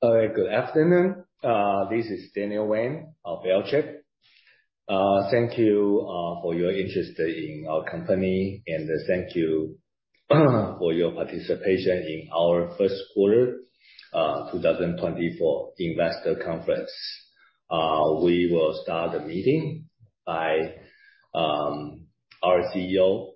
All right, good afternoon. This is Daniel Wang of Alchip. Thank you for your interest in our company, and thank you for your participation in our First Quarter 2024 Investor Conference. We will start the meeting by our CEO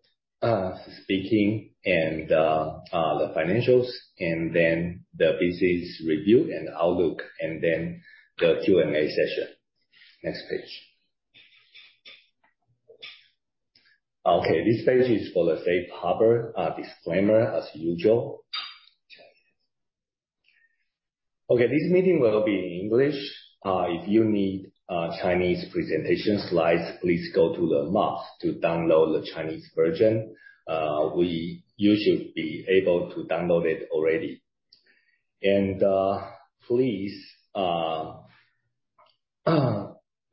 speaking and the financials, and then the business review and outlook, and then the Q&A session. Next page. Okay, this page is for the safe harbor disclaimer as usual. Okay, this meeting will be in English. If you need Chinese presentation slides, please go to the MOPS to download the Chinese version. You should be able to download it already. Please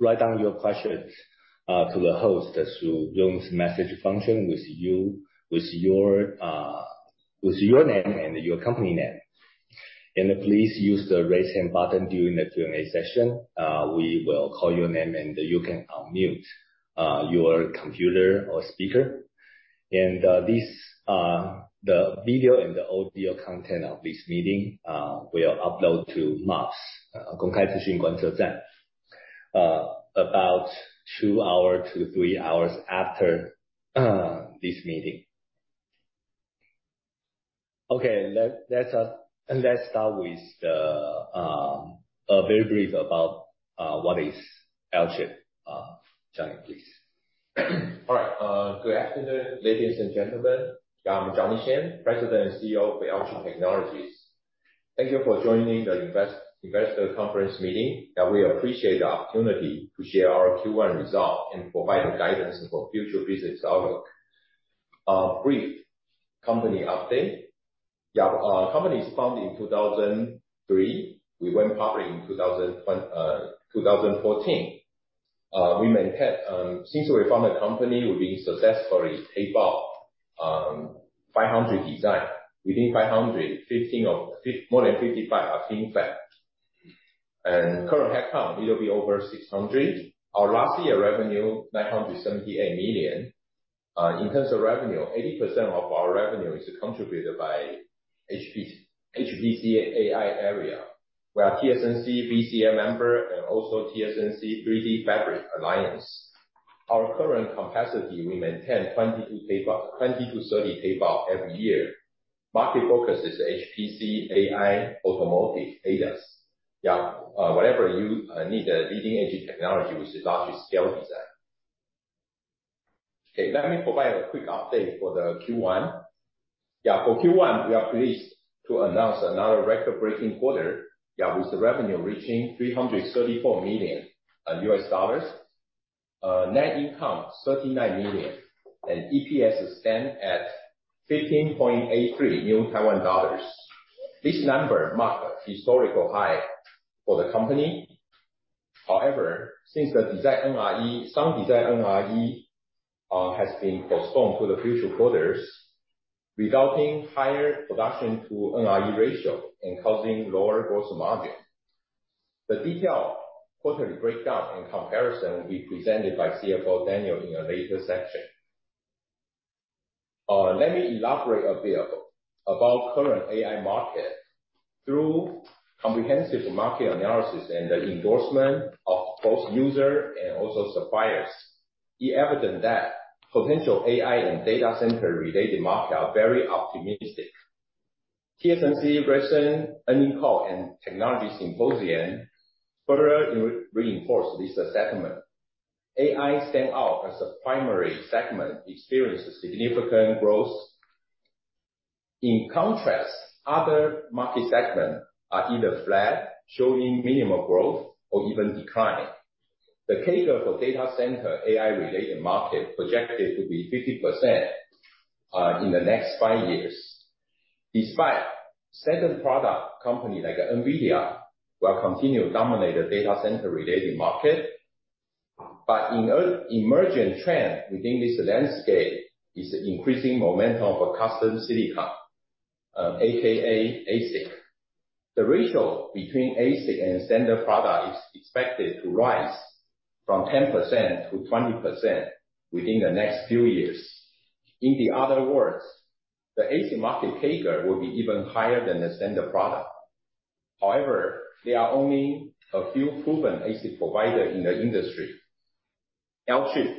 write down your questions to the host through Zoom's message function with your name and your company name. And please use the Raise Hand button during the Q&A session. We will call your name, and you can unmute your computer or speaker. And, this, the video and the audio content of this meeting, we will upload to MOPS, about 2 hours to 3 hours after this meeting. Okay, let's start with the very brief about what is Alchip. Johnny, please. All right. Good afternoon, ladies and gentlemen. I'm Johnny Shen, President and CEO of Alchip Technologies. Thank you for joining the investor conference meeting, and we appreciate the opportunity to share our Q1 results and provide the guidance for future business outlook. Brief company update. Our company was founded in 2003. We went public in 2014. Since we founded the company, we've been successfully tape out 500 design. Within 500, 50 of, more than 55 are in fab. And current headcount, it'll be over 600. Our last year revenue, $978 million. In terms of revenue, 80% of our revenue is contributed by HPC, HPC, AI area. We are TSMC VCA member and also TSMC 3DFabric Alliance. Our current capacity, we maintain 22 tape out, 20-30 tape out every year. Market focus is HPC, AI, automotive, ADAS. Whatever you need a leading-edge technology, which is largely scale design. Okay, let me provide a quick update for the Q1. For Q1, we are pleased to announce another record-breaking quarter. With the revenue reaching $334 million. Net income, $39 million, and EPS stand at 15.83. This number marked a historical high for the company. However, since the design NRE, some design NRE has been postponed to the future quarters, resulting higher production to NRE ratio and causing lower gross margin. The detailed quarterly breakdown and comparison will be presented by CFO, Daniel, in a later section. Let me elaborate a bit about current AI market. Through comprehensive market analysis and the endorsement of both user and also suppliers, it evident that potential AI and data center-related market are very optimistic. TSMC recent earnings call and Technology Symposium further reinforce this assessment. AI stand out as a primary segment, experiences significant growth. In contrast, other market segments are either flat, showing minimal growth or even decline. The CAGR for data center AI-related market projected to be 50% in the next 5 years. Despite standard product, company like NVIDIA will continue to dominate the data center-related market. But emerging trend within this landscape is the increasing momentum for custom silicon, aka ASIC. The ratio between ASIC and standard product is expected to rise from 10% to 20% within the next few years. In other words, the ASIC market CAGR will be even higher than the standard product. However, there are only a few proven ASIC providers in the industry. Alchip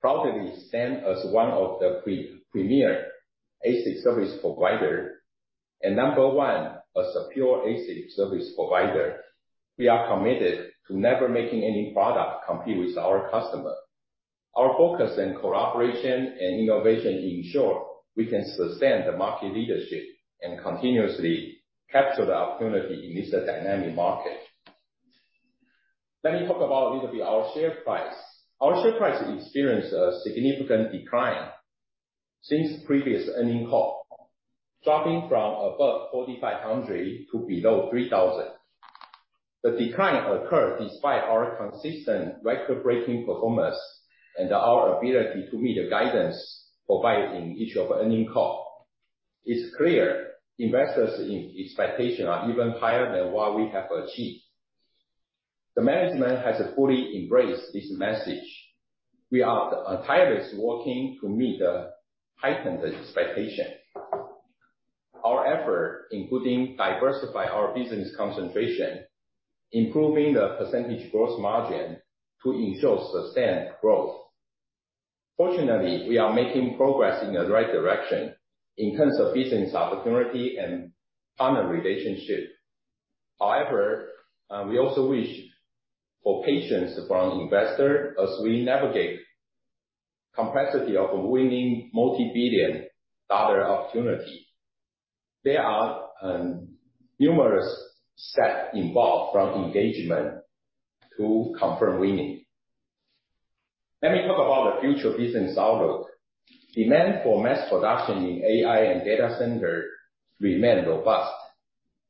proudly stand as one of the premier ASIC service provider, and number one, as a pure ASIC service provider. We are committed to never making any product compete with our customer. Our focus and cooperation and innovation ensure we can sustain the market leadership, and continuously capture the opportunity in this dynamic market. Let me talk about a little bit our share price. Our share price experienced a significant decline since previous earnings call, dropping from above 4,500 to below 3,000. The decline occurred despite our consistent record-breaking performance and our ability to meet the guidance provided in each of our earnings call. It's clear investors' expectations are even higher than what we have achieved. The management has fully embraced this message. We are tirelessly working to meet the heightened expectation. Our effort, including diversify our business concentration, improving the percentage gross margin to ensure sustained growth. Fortunately, we are making progress in the right direction in terms of business opportunity and partner relationship. However, we also wish for patience from investor as we navigate complexity of winning multi-billion dollar opportunity. There are numerous steps involved, from engagement to confirm winning. Let me talk about the future business outlook. Demand for mass production in AI and data center remain robust.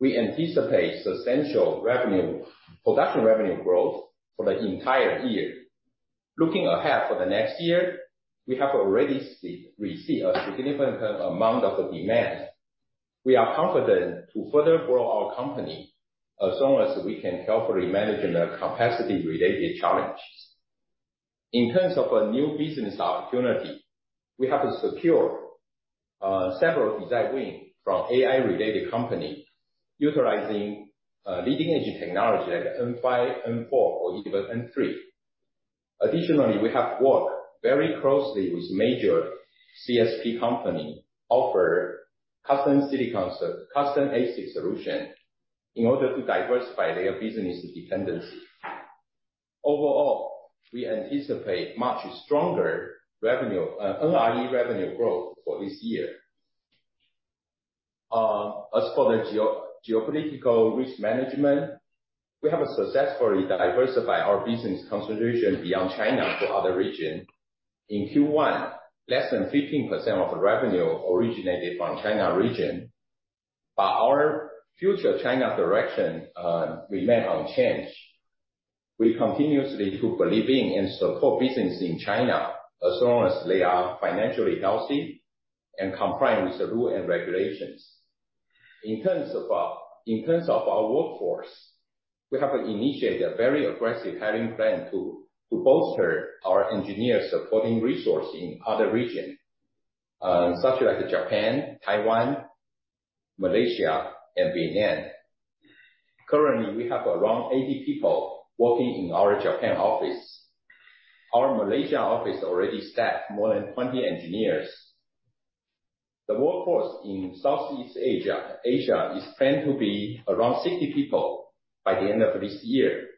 We anticipate substantial revenue production revenue growth for the entire year. Looking ahead for the next year, we have already see, received a significant amount of demand. We are confident to further grow our company, as long as we can help managing the capacity-related challenges. In terms of a new business opportunity, we have secured several design wins from AI-related company utilizing leading-edge technology like N5, N4, or even N3. Additionally, we have worked very closely with major CSP company, offer custom silicon solutions-- custom ASIC solution, in order to diversify their business dependency. Overall, we anticipate much stronger revenue, NRE revenue growth for this year. As for the geopolitical risk management, we have successfully diversified our business concentration beyond China to other region. In Q1, less than 15% of the revenue originated from China region, but our future China direction remain unchanged. We continuously to believe in and support business in China, as long as they are financially healthy and complying with the rules and regulations. In terms of, in terms of our workforce, we have initiated a very aggressive hiring plan to, to bolster our engineer supporting resource in other region, such like Japan, Taiwan, Malaysia, and Vietnam. Currently, we have around 80 people working in our Japan office. Our Malaysia office already staffed more than 20 engineers. The workforce in Southeast Asia, Asia, is planned to be around 60 people by the end of this year.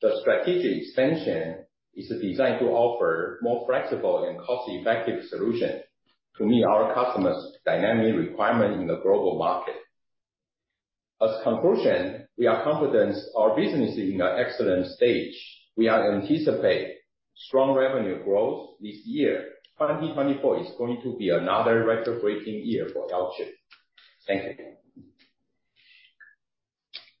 The strategic expansion is designed to offer more flexible and cost-effective solution to meet our customers' dynamic requirement in the global market. As conclusion, we are confident our business is in an excellent stage. We are anticipate strong revenue growth this year. 2024 is going to be another record-breaking year for Alchip. Thank you.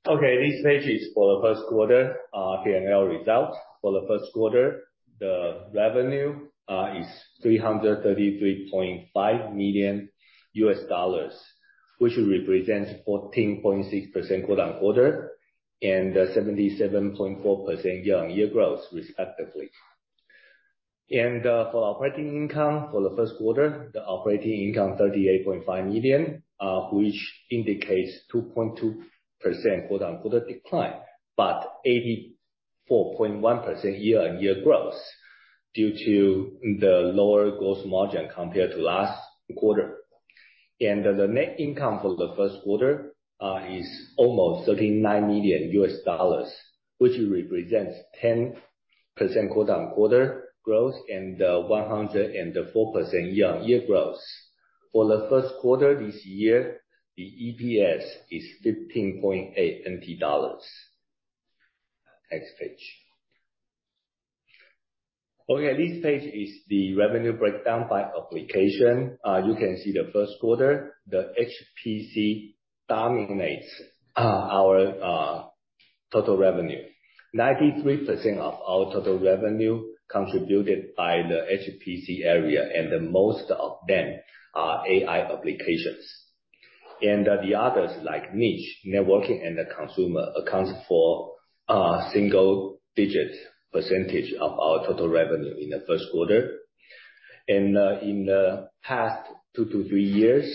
Okay, this page is for the first quarter P&L results. For the first quarter, the revenue is $333.5 million, which represents 14.6% QoQ and 77.4% YoY growth, respectively. And for operating income, for the first quarter, the operating income $38.5 million, which indicates 2.2% QoQ decline, but 84.1% YoY growth due to the lower gross margin compared to last quarter. And the net income for the first quarter is almost $39 million, which represents 10% QoQ growth and 104% YoY growth. For the first quarter this year, the EPS is NT$15.8. Next page. Okay, this page is the revenue breakdown by application. You can see the first quarter, the HPC dominates our total revenue. 93% of our total revenue contributed by the HPC area, and the most of them are AI applications. The others, like niche, networking, and consumer, accounts for single-digit percentage of our total revenue in the first quarter. In the past 2-3 years,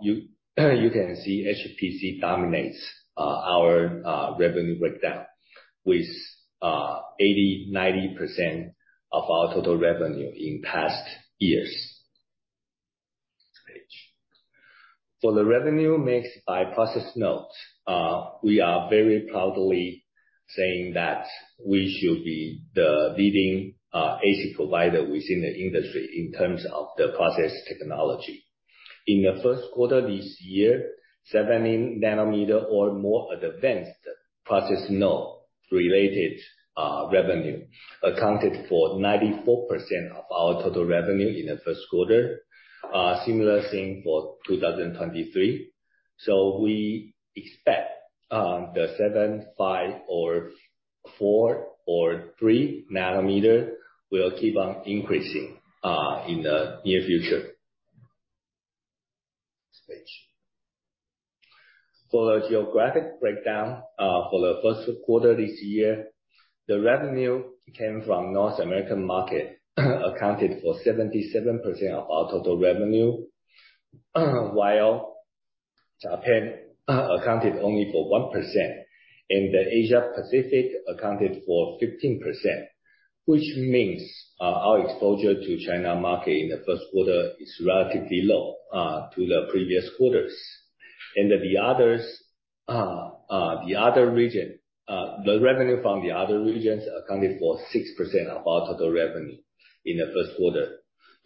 you can see HPC dominates our revenue breakdown with 80%-90% of our total revenue in past years. Next page. For the revenue mix by process nodes, we are very proudly saying that we should be the leading ASIC provider within the industry in terms of the process technology. In the first quarter this year, 7-nanometer or more advanced process node-... related, revenue accounted for 94% of our total revenue in the first quarter. Similar thing for 2023. So we expect, the 7, 5, or 4, or 3 nanometer will keep on increasing, in the near future. Next page. For the geographic breakdown, for the first quarter this year, the revenue came from North American market, accounted for 77% of our total revenue, while Japan accounted only for 1%, and the Asia Pacific accounted for 15%, which means, our exposure to China market in the first quarter is relatively low, to the previous quarters. And the others, the other region, the revenue from the other regions accounted for 6% of our total revenue in the first quarter,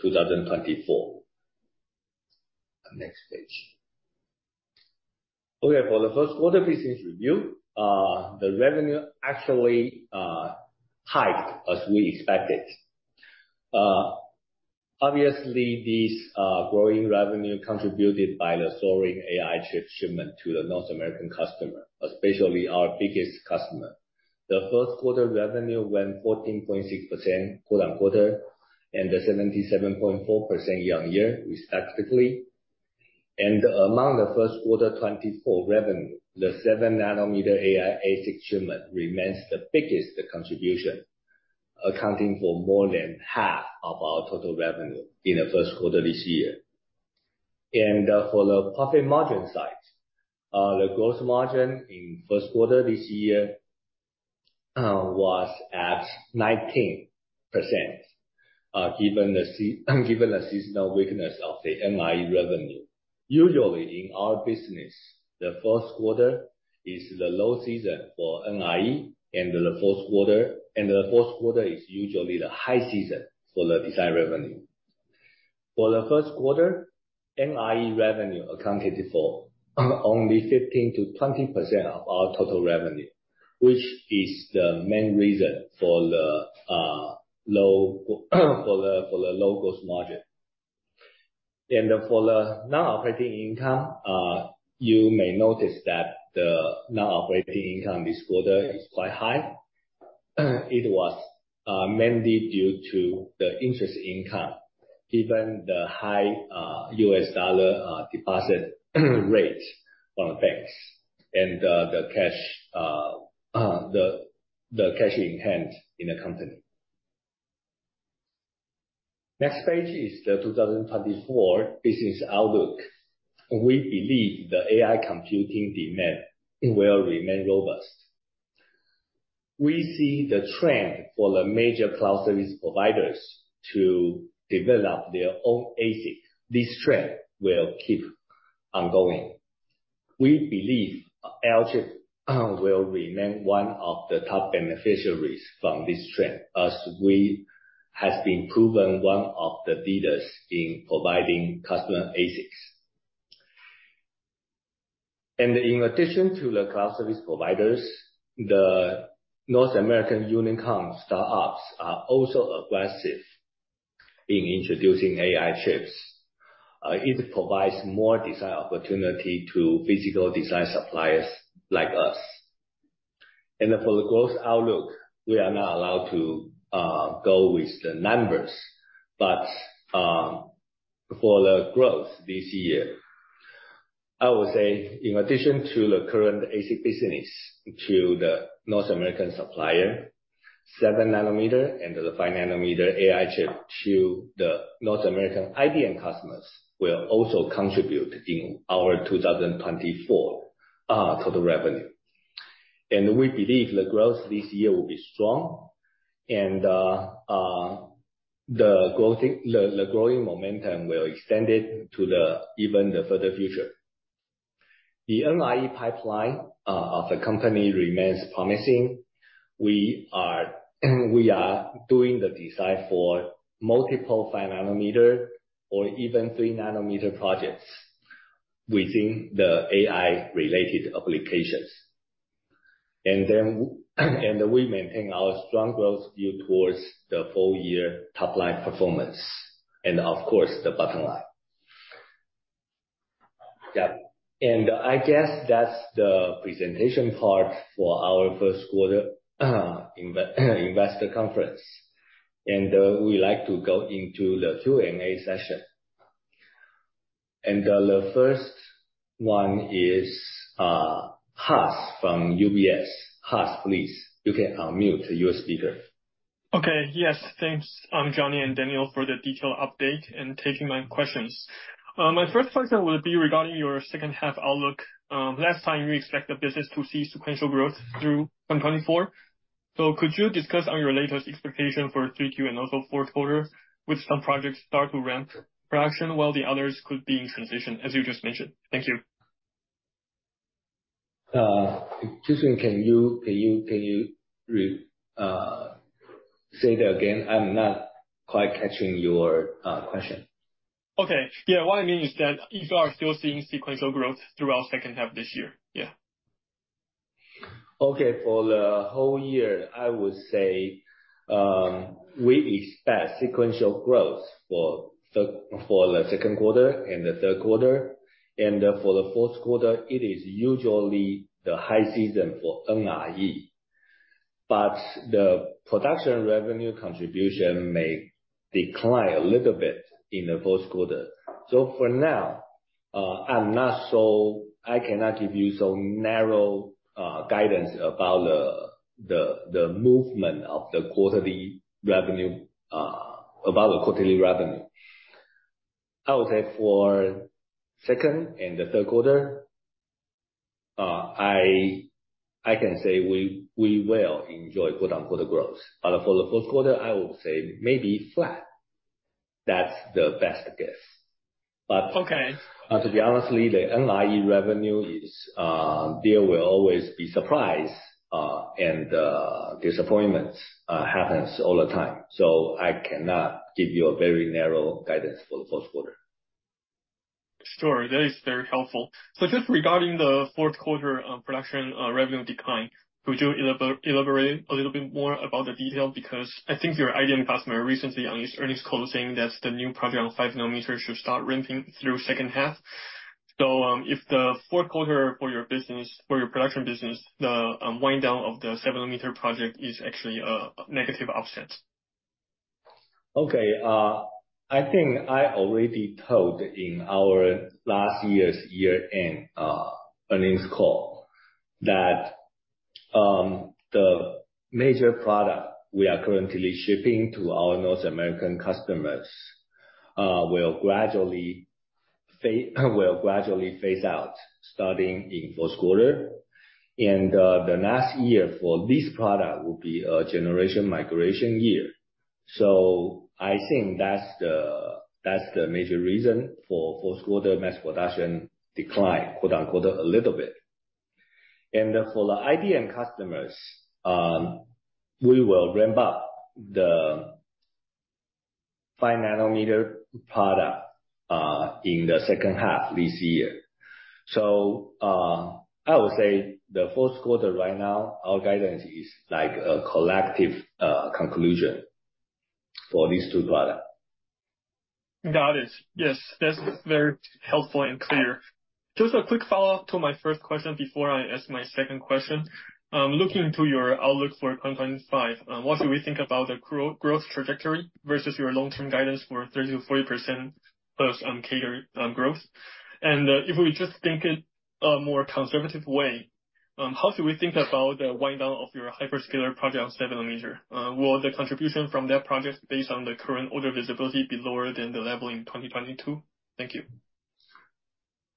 2024. Next page. Okay, for the first quarter business review, the revenue actually hiked as we expected. Obviously, this growing revenue contributed by the soaring AI chip shipment to the North American customer, especially our biggest customer. The first quarter revenue went 14.6% QoQ, and 77.4% YoY, respectively. Among the first quarter 2024 revenue, the 7-nanometer AI ASIC shipment remains the biggest contribution, accounting for more than half of our total revenue in the first quarter this year. For the profit margin side, the gross margin in first quarter this year was at 19%, given the seasonal weakness of the NRE revenue. Usually, in our business, the first quarter is the low season for NRE, and the fourth quarter is usually the high season for the design revenue. For the first quarter, NRE revenue accounted for only 15%-20% of our total revenue, which is the main reason for the low gross margin. For the non-operating income, you may notice that the non-operating income this quarter is quite high. It was mainly due to the interest income, given the high U.S. dollar deposit rate from the banks and the cash in hand in the company. Next page is the 2024 business outlook. We believe the AI computing demand will remain robust. We see the trend for the major cloud service providers to develop their own ASIC. This trend will keep ongoing. We believe Alchip will remain one of the top beneficiaries from this trend, as we has been proven one of the leaders in providing customer ASICs. In addition to the cloud service providers, the North American unicorn startups are also aggressive in introducing AI chips. It provides more design opportunity to physical design suppliers like us. For the growth outlook, we are not allowed to go with the numbers, but for the growth this year, I would say in addition to the current ASIC business, to the North American supplier, 7 nanometer and the 5 nanometer AI chip to the North American IDM customers will also contribute in our 2024 total revenue. We believe the growth this year will be strong, and the growth, the growing momentum will extend it to the even the further future. The NRE pipeline of the company remains promising. We are, we are doing the design for multiple 5 nanometer or even 3 nanometer projects within the AI-related applications. And then, and we maintain our strong growth view towards the full year top line performance, and of course, the bottom line. Yeah, and I guess that's the presentation part for our first quarter investor conference. And we'd like to go into the Q&A session. And the first one is, Haas from UBS. Haas, please, you can unmute your speaker. Okay. Yes, thanks, Johnny and Daniel, for the detailed update and taking my questions. My first question would be regarding your second half outlook. Last time you expect the business to see sequential growth through 2024. So could you discuss on your latest expectation for Q3 and also fourth quarter, with some projects start to ramp production, while the others could be in transition, as you just mentioned? Thank you. Haas, can you say that again? I'm not quite catching your question. Okay. Yeah, what I mean is that if you are still seeing sequential growth throughout second half this year? Yeah. Okay. For the whole year, I would say, we expect sequential growth for the second quarter and the third quarter. And, for the fourth quarter, it is usually the high season for NRE. But the production revenue contribution may decline a little bit in the fourth quarter. So for now, I'm not so I cannot give you so narrow guidance about the movement of the quarterly revenue, about the quarterly revenue. I would say for second and the third quarter, I can say we will enjoy quote, unquote, growth. But for the fourth quarter, I will say maybe flat. That's the best guess. But- Okay. To be honest, the NRE revenue is. There will always be surprise and disappointments. Happens all the time, so I cannot give you a very narrow guidance for the fourth quarter. Sure. That is very helpful. So just regarding the fourth quarter, production, revenue decline, could you elaborate a little bit more about the detail? Because I think your IDM customer recently on his earnings call saying that the new project on 5 nanometer should start ramping through second half. So, if the fourth quarter for your business, for your production business, the wind down of the 7 nanometer project is actually a negative offset. Okay, I think I already told in our last year's year-end earnings call, that the major product we are currently shipping to our North American customers will gradually phase out, starting in fourth quarter. And the next year for this product will be a generation migration year. So I think that's the major reason for fourth quarter mass production decline, quote, unquote, a little bit. And for the IDM customers, we will ramp up the 5-nanometer product in the second half this year. So I would say the fourth quarter right now, our guidance is like a collective conclusion for these two products. Got it. Yes, that's very helpful and clear. Just a quick follow-up to my first question before I ask my second question. Looking into your outlook for 2025, what do we think about the growth trajectory versus your long-term guidance for 30%-40% plus CAGR growth? And, if we just think it a more conservative way, how do we think about the wind down of your hyperscaler project on 7 nanometer? Will the contribution from that project, based on the current order visibility, be lower than the level in 2022? Thank you.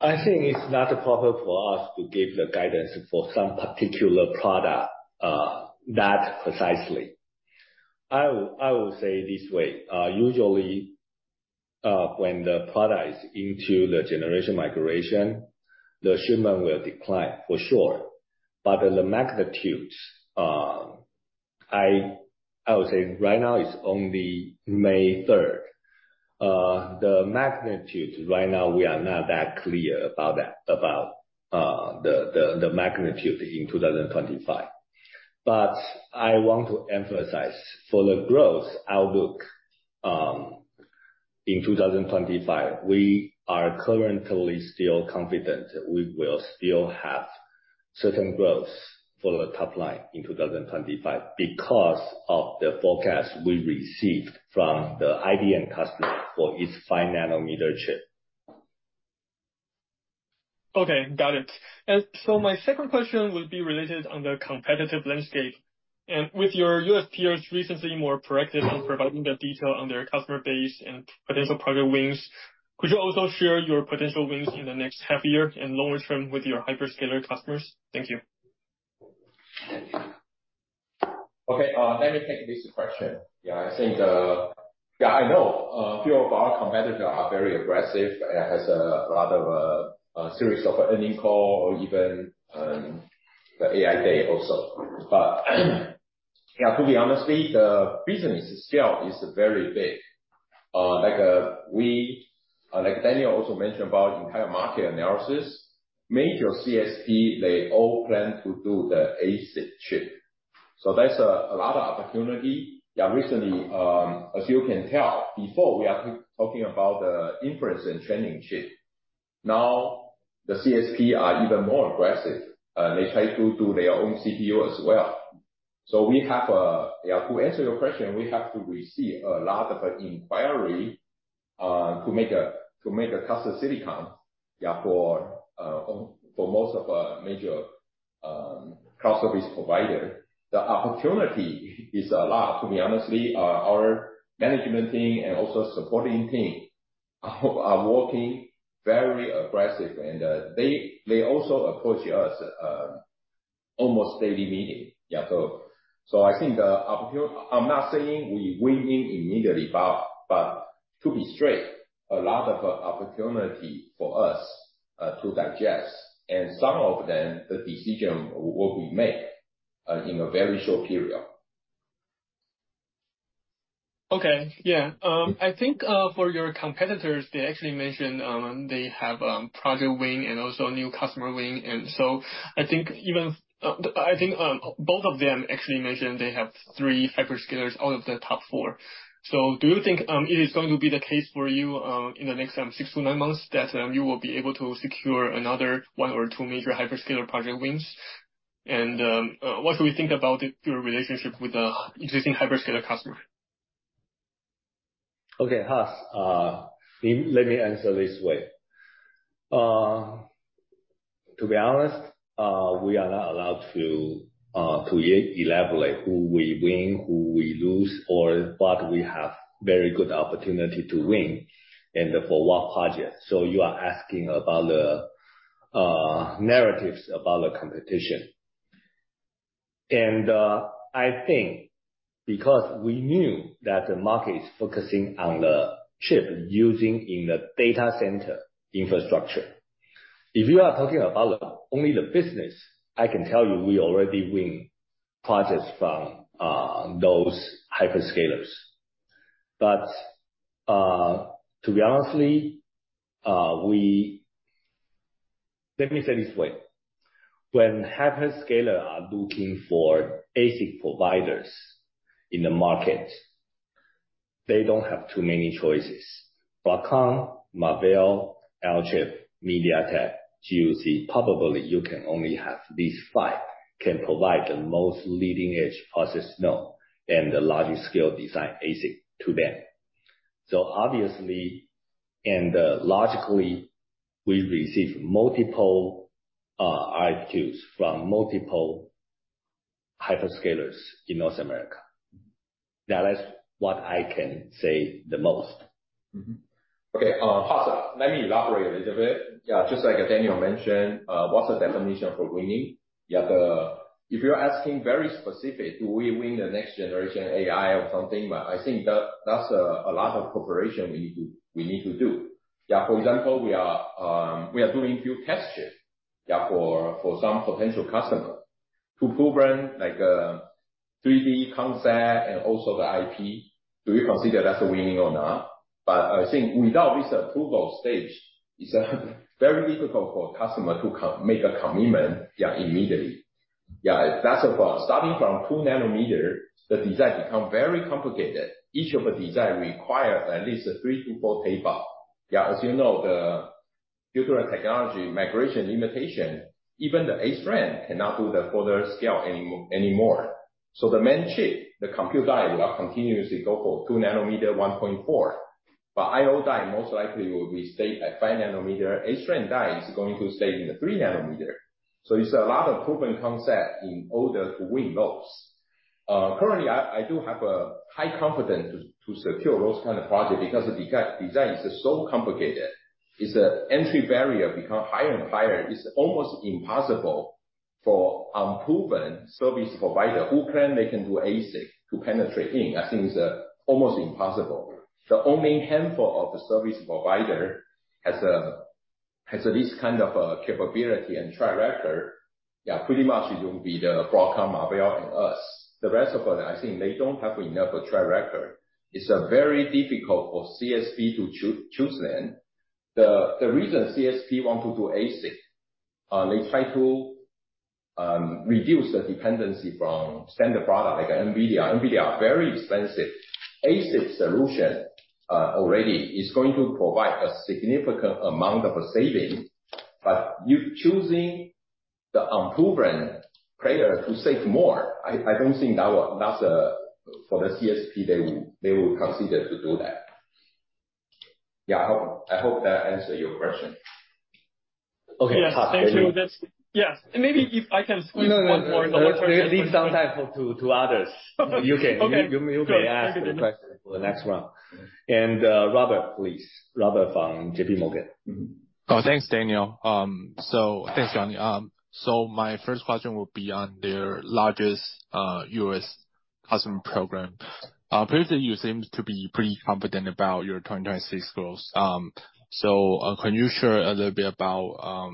I think it's not appropriate for us to give the guidance for some particular product, that precisely. I will, I will say this way, usually, when the product is into the generation migration, the shipment will decline for sure, but the magnitude, I would say right now it's only May 3rd. The magnitude right now, we are not that clear about that, about the magnitude in 2025. But I want to emphasize, for the growth outlook, in 2025, we are currently still confident we will still have certain growth for the top line in 2025 because of the forecast we received from the IDM customer for its 5 nanometer chip. Okay, got it. And so my second question would be related on the competitive landscape. And with your U.S. peers recently more proactive on providing the detail on their customer base and potential project wins, could you also share your potential wins in the next half year and longer term with your hyperscaler customers? Thank you. Okay, let me take this question. Yeah, I think, Yeah, I know, a few of our competitors are very aggressive, and has a lot of, a series of earnings call or even, the AI Day also. But, yeah, to be honestly, the business scale is very big. Like, we, like Daniel also mentioned about entire market analysis, major CSP, they all plan to do the ASIC chip. So that's a lot of opportunity. Yeah, recently, as you can tell, before we are talking about the inference and training chip, now the CSP are even more aggressive. They try to do their own CPU as well. So we have to answer your question, we have to receive a lot of inquiry to make a custom silicon for most of our major cloud service provider. The opportunity is a lot. To be honest, our management team and also supporting team are working very aggressive, and they also approach us almost daily meeting. So I think the opportunity. I'm not saying we win in immediately, but to be straight, a lot of opportunity for us to digest, and some of them, the decision will be made in a very short period. Okay. Yeah. I think, for your competitors, they actually mentioned, they have, project win and also a new customer win. And so I think even, I think, both of them actually mentioned they have 3 hyperscalers out of the top 4. So do you think, it is going to be the case for you, in the next, 6-9 months, that, you will be able to secure another 1 or 2 major hyperscaler project wins? And, what do we think about your relationship with the existing hyperscaler customer? Okay, Haas, let me answer this way. To be honest, we are not allowed to elaborate who we win, who we lose, or what we have very good opportunity to win, and for what project. So you are asking about the narratives about the competition. And, I think because we knew that the market is focusing on the chip using in the data center infrastructure, if you are talking about only the business, I can tell you we already win projects from those hyperscalers. But, to be honestly, we. Let me say this way, when hyperscaler are looking for basic providers in the market, they don't have too many choices. Broadcom, Marvell, Alchip, MediaTek, GUC, probably you can only have these five, can provide the most leading edge process node and the largest scale design ASIC to them. Obviously and logically, we've received multiple RFQs from multiple hyperscalers in North America. That is what I can say the most. Mm-hmm. Okay, Haas, let me elaborate a little bit. Yeah, just like Daniel mentioned, what's the definition for winning? Yeah, the... If you're asking very specific, do we win the next generation AI or something, but I think that's a lot of cooperation we need to do. Yeah, for example, we are doing a few test chips, yeah, for some potential customer to program like a 3D concept and also the IP. Do we consider that as a winning or not? But I think without this approval stage, it's very difficult for a customer to come make a commitment, yeah, immediately. Yeah, that's about starting from 2 nanometer, the design become very complicated. Each of the design requires at least 3 to 4 tape out. Yeah, as you know, due to technology migration limitation, even the SRAM cannot do the further scale anymore anymore. So the main chip, the compute die, will continuously go for 2 nanometer, 1.4. But IO die most likely will be stayed at 5 nanometer. SRAM die is going to stay in the 3 nanometer. So it's a lot of proven concept in order to win those. Currently, I do have a high confidence to secure those kind of project because the die design is so complicated. It's an entry barrier, become higher and higher. It's almost impossible for unproven service provider who claim they can do ASIC to penetrate in. I think it's almost impossible. The only handful of the service provider has a, has this kind of capability and track record. Yeah, pretty much it will be the Broadcom, Marvell and us. The rest of them, I think they don't have enough track record. It's very difficult for CSP to choose them. The reason CSP want to do ASIC, they try to reduce the dependency from standard product like NVIDIA. NVIDIA are very expensive. ASIC solution already is going to provide a significant amount of saving, but you choosing the unproven player to save more, I don't think that's a for the CSP they will consider to do that. Yeah, I hope that answered your question. Okay, Haas- Yes, thank you. That's... Yes, and maybe if I can squeeze one more- No, no, no. Leave some time for to others. Okay. You can- Okay. You may ask the question for the next round. And, Robert, please. Robert from J.P. Morgan. Oh, thanks, Daniel. So thanks, John. So my first question will be on their largest U.S. customer program. Previously, you seemed to be pretty confident about your 2026 goals. So, can you share a little bit about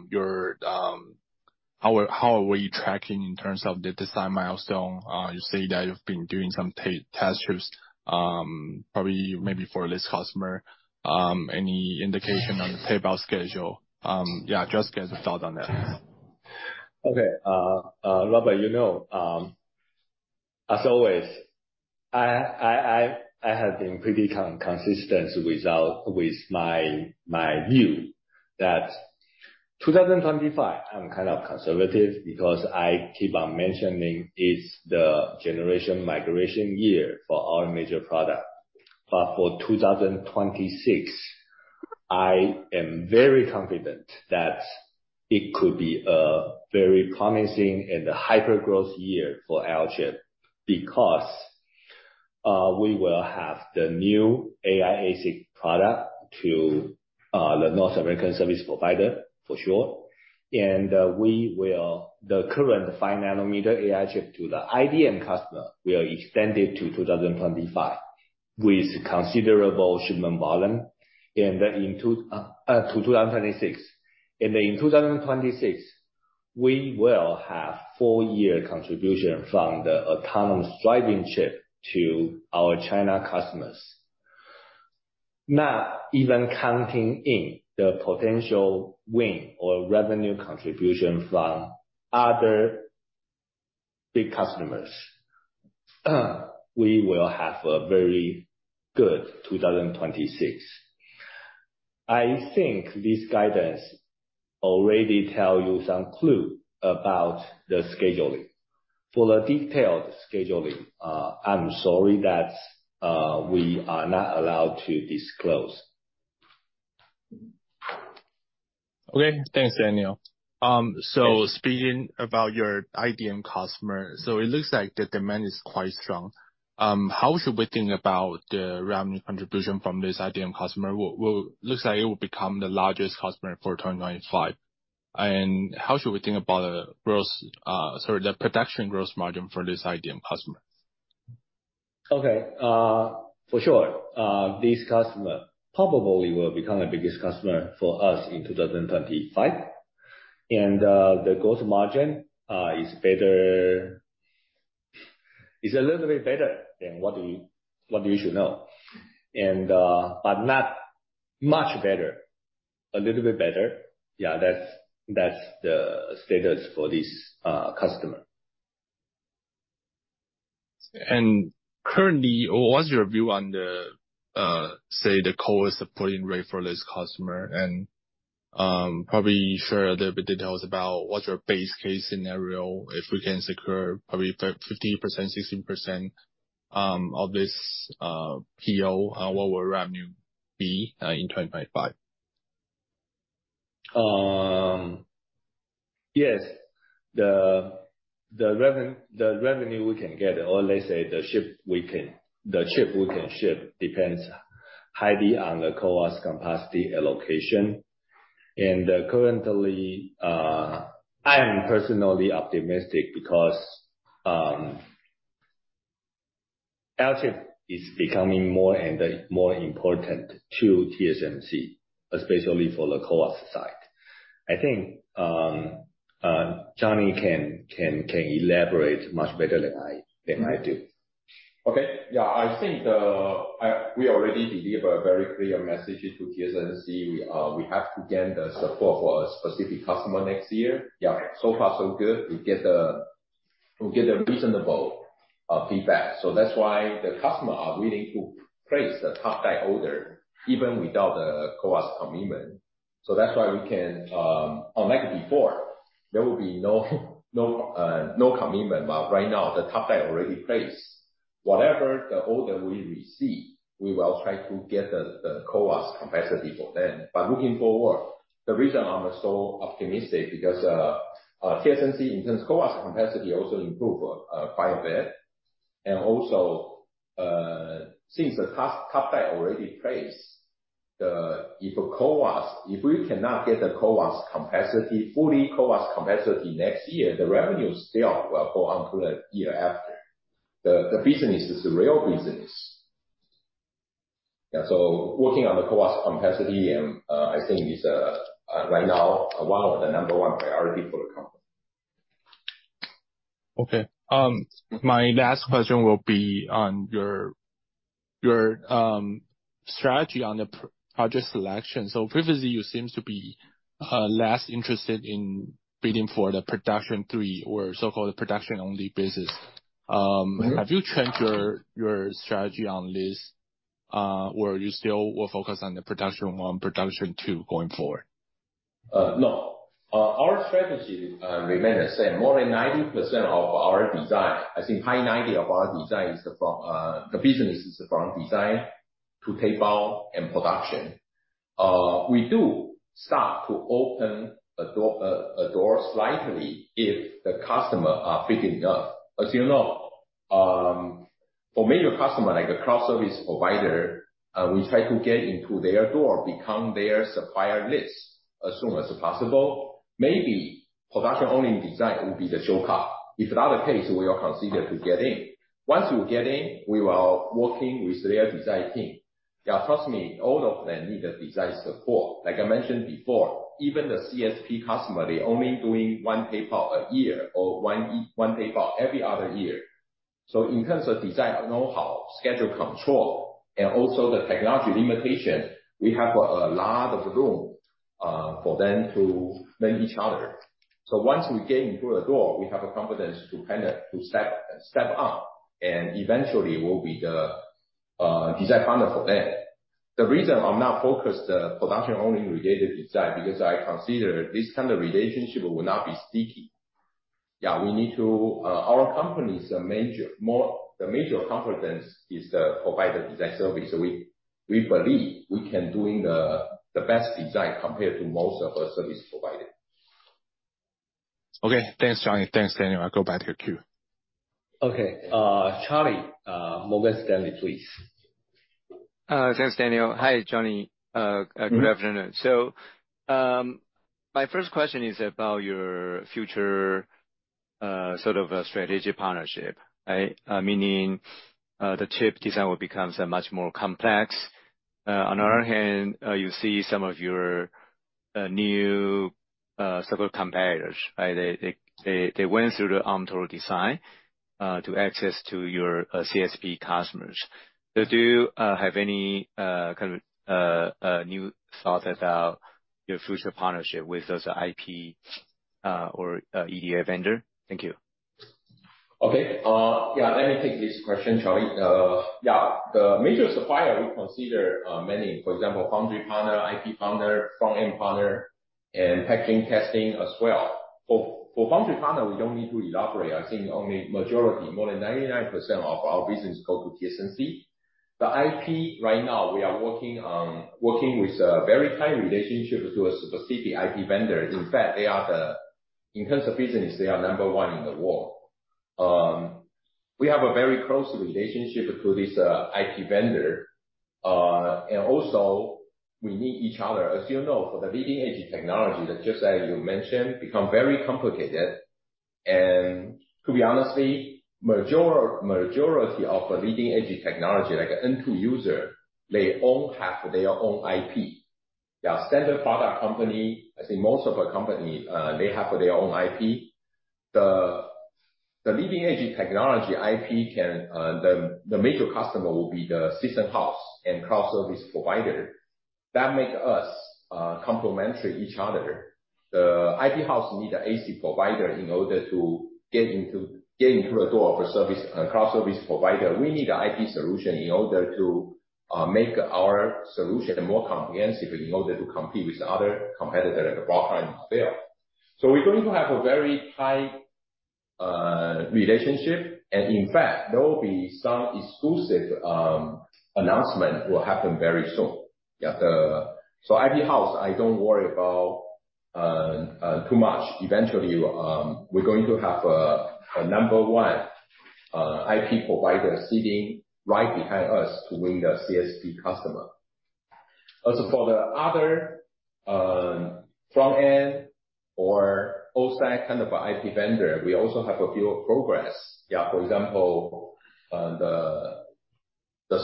how we are tracking in terms of the design milestone? You say that you've been doing some task shifts, probably maybe for this customer. Any indication on the tape out schedule? Yeah, just get a thought on that. Okay. Robert, you know, as always, I have been pretty consistent with my view, that 2025, I'm kind of conservative because I keep on mentioning it's the generation migration year for our major product. But for 2026, I am very confident that it could be a very promising and a hyper growth year for Alchip. Because, we will have the new AI ASIC product to, the North American service provider, for sure. And, we will... The current 5 nanometer AI chip to the IDM customer will extend it to 2025 with considerable shipment volume, and in two, to 2026. And in 2026-... we will have full-year contribution from the autonomous driving chip to our China customers. Not even counting in the potential win or revenue contribution from other big customers, we will have a very good 2026. I think this guidance already tell you some clue about the scheduling. For the detailed scheduling, I'm sorry that we are not allowed to disclose. Okay, thanks, Daniel. So speaking about your IDM customer, so it looks like the demand is quite strong. How should we think about the revenue contribution from this IDM customer? Looks like it will become the largest customer for 2025. And how should we think about the growth, the production growth margin for this IDM customer? Okay, for sure, this customer probably will become the biggest customer for us in 2025, and the growth margin is better - is a little bit better than what we, what you should know. And, but not much better, a little bit better. Yeah, that's, that's the status for this customer. Currently, what's your view on the, say, the core supporting rate for this customer? Probably share a little bit details about what's your base case scenario, if we can secure probably 50%, 60%, of this, PO, and what will revenue be, in 2025? Yes. The revenue we can get, or let's say, the chip we can ship, depends highly on the CoWoS capacity allocation. And currently, I am personally optimistic because our chip is becoming more and more important to TSMC, especially for the CoWoS side. I think Johnny can elaborate much better than I do. Okay. Yeah, I think we already deliver a very clear message to TSMC. We have to get the support for a specific customer next year. Yeah, so far so good. We get a reasonable feedback. So that's why the customer are willing to place the top die order, even without the CoWoS commitment. So that's why we can, unlike before, there will be no commitment. But right now, the top die already placed. Whatever the order we receive, we will try to get the CoWoS capacity for them. But looking forward, the reason I'm so optimistic because TSMC, in terms of CoWoS capacity, also improved quite a bit. And also, since the top die already placed, if we cannot get the CoWoS capacity, full CoWoS capacity next year, the revenue still will go on to the year after. The business is a real business. Yeah, so working on the CoWoS capacity, and I think it's right now, one of the number one priority for the company. Okay. My last question will be on your your strategy on the project selection. So previously, you seems to be less interested in bidding for the production 3 or so-called production-only business. Have you changed your, your strategy on this, or you still will focus on the production one, production two going forward? No. Our strategy remain the same. More than 90% of our design, I think high ninety of our design is from the business is from design to tape-out and production. We do start to open a door, a door slightly if the customer are big enough. As you know, for major customer, like a cloud service provider, we try to get into their door, become their supplier list as soon as possible. Maybe production-only design will be the show card. If that the case, we will consider to get in. Once we get in, we are working with their design team. Yeah, trust me, all of them need the design support. Like I mentioned before, even the CSP customer, they only doing one tape-out a year or one tape-out every other year. So in terms of design know-how, schedule control, and also the technology limitation, we have a lot of room for them to learn each other. So once we get in through the door, we have the confidence to kind of step up, and eventually we'll be the design partner for them. The reason I'm not focused production only related design, because I consider this kind of relationship will not be sticky. Yeah, we need to. Our company's major confidence is the provider design service. We believe we can doing the best design compared to most of our service provider. Okay. Thanks, Johnny. Thanks, Daniel. I go back to queue. Okay, Charlie, Morgan Stanley, please. Thanks, Daniel. Hi, Johnny. Good afternoon. So, my first question is about your future sort of a strategic partnership, right? Meaning, the chip design will becomes much more complex. On other hand, you see some of your new several competitors, right? They went through the Arm Total Design to access to your CSP customers. So do you have any kind of new thoughts about your future partnership with those IP or EDA vendor? Thank you. Okay. Yeah, let me take this question, Charlie. Yeah, the major supplier we consider, many, for example, foundry partner, IP vendor, front end partner, and packaging testing as well. For foundry partner, we don't need to elaborate. I think only majority, more than 99% of our business go to TSMC. The IP, right now, we are working with a very tight relationship to a specific IP vendor. In fact, they are the... In terms of business, they are number one in the world. We have a very close relationship to this IP vendor. And also, we need each other. As you know, for the leading-edge technology, that just as you mentioned, become very complicated. And to be honestly, majority of the leading-edge technology, like an end user, they all have their own IP. The standard product company, I think most of our company, they have their own IP. The, the leading-edge technology IP can, the, the major customer will be the system house and cloud service provider. That make us, complementary each other. The IP house need a ASIC provider in order to get into, get into the door of a service, a cloud service provider. We need an IP solution in order to, make our solution more comprehensive in order to compete with other competitor at the broadline sale. So we're going to have a very tight, relationship. And in fact, there will be some exclusive, announcement will happen very soon. Yeah. The... So IP house, I don't worry about, too much. Eventually, we're going to have a number one IP provider sitting right behind us to win the CSP customer. As for the other, front end or OSAT kind of IP vendor, we also have a few progress. Yeah, for example, the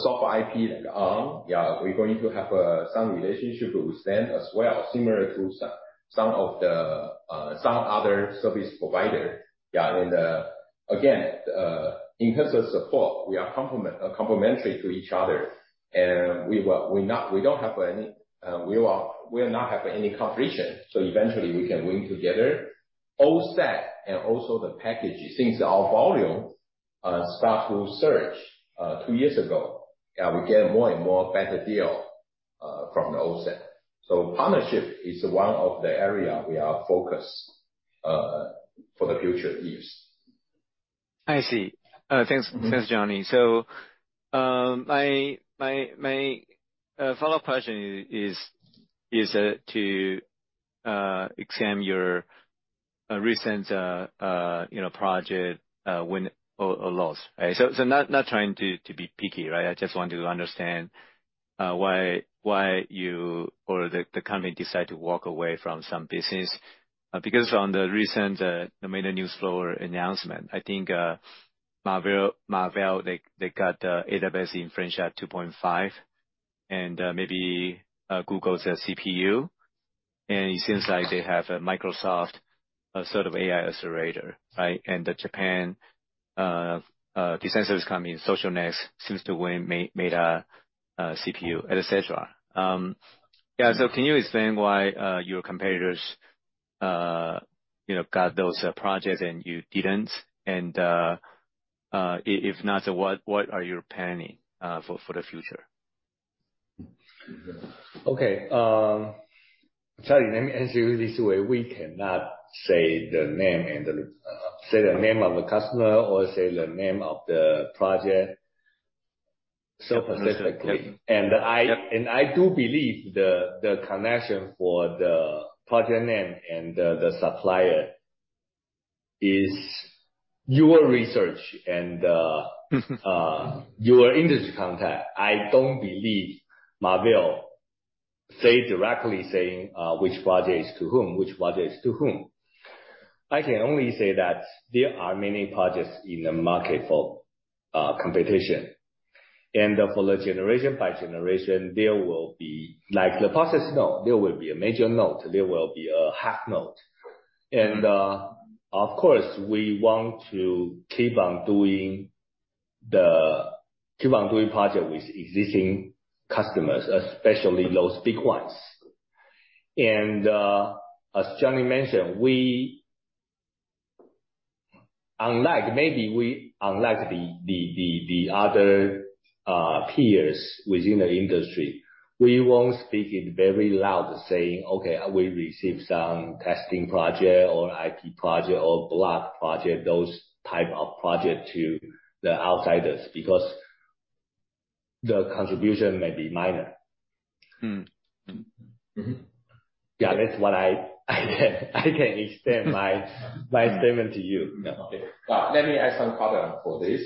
software IP, like, Arm, yeah, we're going to have some relationship with them as well, similar to some of the other service provider. Yeah, and, again, in terms of support, we are complementary to each other, and we will, we not, we don't have any, we are, we are not have any competition, so eventually we can win together. OSAT and also the package, since our volume start to surge two years ago, we get more and more better deal from the OSAT. Partnership is one of the area we are focused for the future years. I see. Thanks. Thanks, Johnny. So, my follow-up question is to examine your recent, you know, project win or loss, right? So, not trying to be picky, right? I just want to understand why you or the company decided to walk away from some business. Because on the recent the Meta Newsflow announcement, I think Marvell they got AWS Inferentia 2.5, and maybe Google's CPU. And it seems like they have a Microsoft sort of AI accelerator, right? And the Japan consensus coming, Socionext, seems to win, made a CPU, et cetera. Yeah, so can you explain why your competitors you know got those projects and you didn't? If not, so what are you planning for the future? Okay, sorry, let me answer you this way. We cannot say the name of the customer or say the name of the project so specifically. And I do believe the connection for the project name and the supplier is your research and your industry contact. I don't believe Marvell say directly, saying which project is to whom, which project is to whom. I can only say that there are many projects in the market for competition. And for the generation by generation, there will be like the process node. There will be a major node, there will be a half node. And of course, we want to keep on doing projects with existing customers, especially those big ones. And as Johnny mentioned, we... Unlike maybe we, unlike the other peers within the industry, we won't speak it very loud, saying, "Okay, we received some testing project or IP project or block project," those type of project to the outsiders, because the contribution may be minor. Yeah, that's what I can extend my statement to you. Yeah. Let me add some color for this.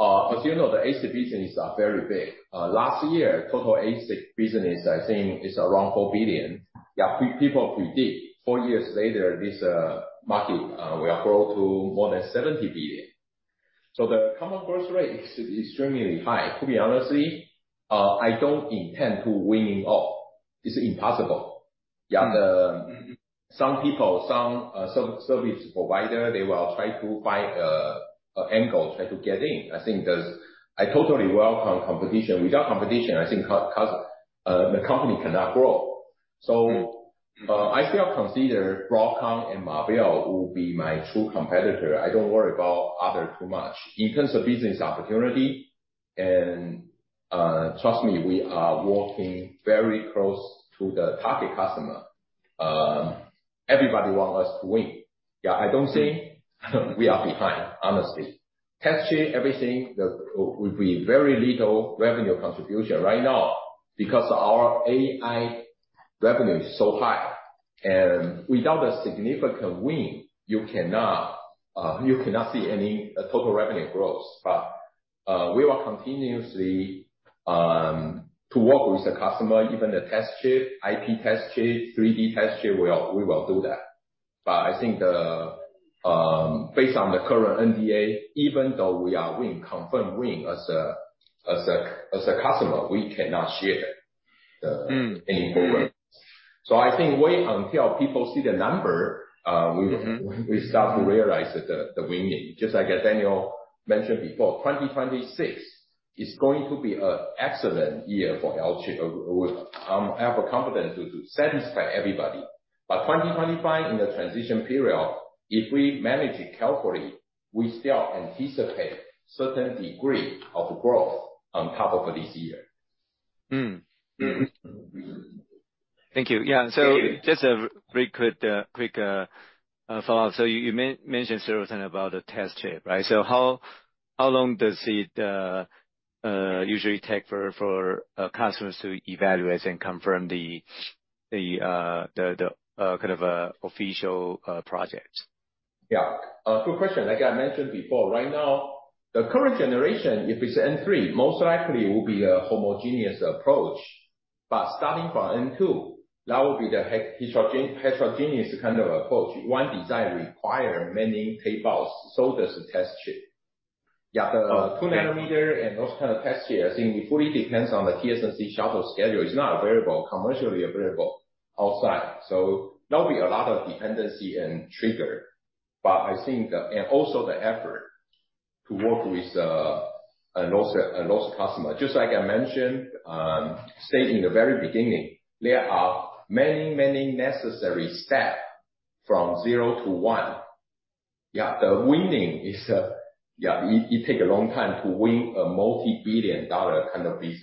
As you know, the ASIC business are very big. Last year, total ASIC business, I think is around $4 billion. Yeah, people predict 4 years later, this market will grow to more than $70 billion. So the compound growth rate is extremely high. To be honestly, I don't intend to winning all. It's impossible. Yeah, the- Some people, some service provider, they will try to find an angle, try to get in. I think that I totally welcome competition. Without competition, I think the company cannot grow. So, I still consider Broadcom and Marvell will be my true competitor. I don't worry about other too much. In terms of business opportunity, trust me, we are working very close to the target customer. Everybody want us to win. Yeah, I don't think we are behind, honestly. Test chip, everything, will be very little revenue contribution right now because our AI revenue is so high, and without a significant win, you cannot see any total revenue growth. But, we are continuously to work with the customer, even the test chip, IP test chip, 3D test chip, we will do that. But I think, based on the current NDA, even though we are win, confirm win as a customer, we cannot share the- Any progress. So I think wait until people see the number, We start to realize that the winning, just like Daniel mentioned before, 2026 is going to be an excellent year for ALC. I have a confidence to satisfy everybody. But 2025, in the transition period, if we manage it carefully, we still anticipate certain degree of growth on top of this year. Thank you. Yeah, so just a very quick follow-up. So you mentioned something about the test chip, right? So how long does it usually take for customers to evaluate and confirm the kind of official project? Yeah. Good question. Like I mentioned before, right now, the current generation, if it's N3, most likely it will be a homogeneous approach. But starting from N2, that will be the heterogeneous kind of approach. One design require many tape outs, so does the test chip. Yeah, the 2-nanometer and those kind of test chip, I think it fully depends on the TSMC schedule. It's not available, commercially available outside, so there'll be a lot of dependency and trigger. But I think. And also the effort to work with the and those customers. Just like I mentioned, said in the very beginning, there are many, many necessary step from zero to one. Yeah, the winning is, yeah, it take a long time to win a multi-billion dollar kind of business.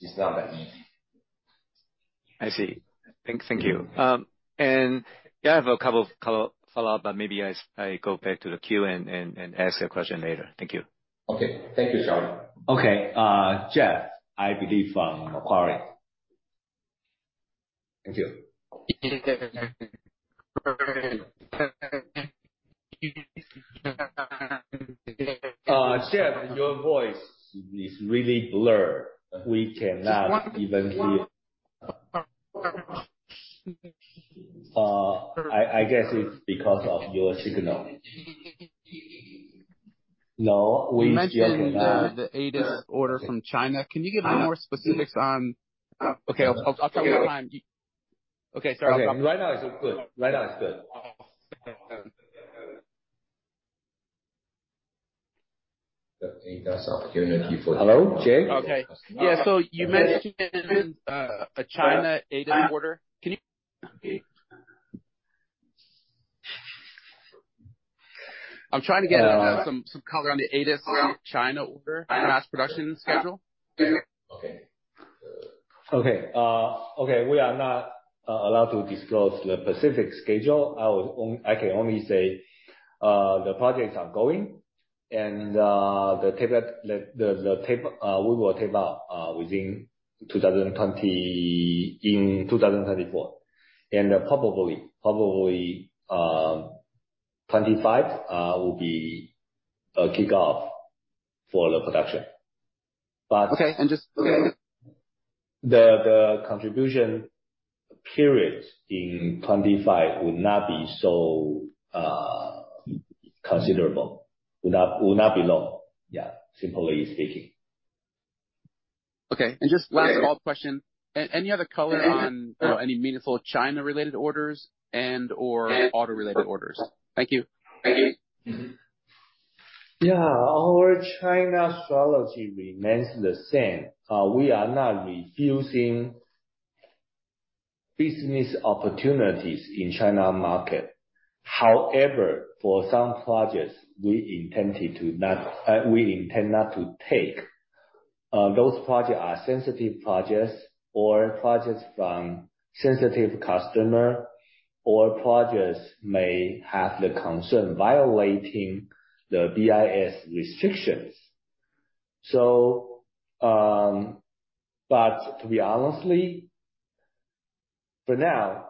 It's not that easy. I see. Thank you. And yeah, I have a couple of follow-up, but maybe I go back to the queue and ask a question later. Thank you. Okay. Thank you, Sean. Okay, Jeff, I believe from Macquarie. Thank you. Jeff, your voice is really blurred. We cannot even hear. I guess it's because of your signal. No, we cannot- You mentioned the ADAS order from China. Can you give me more specifics on... Okay, I'll talk about time. Okay, sorry. Right now is good. Right now is good. Hello, Jeff? Okay. Yeah, so you mentioned a China ADAS order. Can you... I'm trying to get some color on the ADAS China order and mass production schedule. Okay, we are not allowed to disclose the specific schedule. I can only say the projects are going, and the tape out, we will tape out within 2024. And probably 2025 will be a kickoff for the production. But- Okay, okay. The contribution periods in 25 will not be so considerable, will not, will not be long. Yeah, simply speaking. Okay. And just last follow-up question. Any other color on any meaningful China-related orders and/or order-related orders? Thank you. Thank you. Yeah, our China strategy remains the same. We are not refusing business opportunities in China market. However, for some projects we intended to not, we intend not to take, those projects are sensitive projects or projects from sensitive customer, or projects may have the concern violating the BIS restrictions. So, but to be honestly, for now,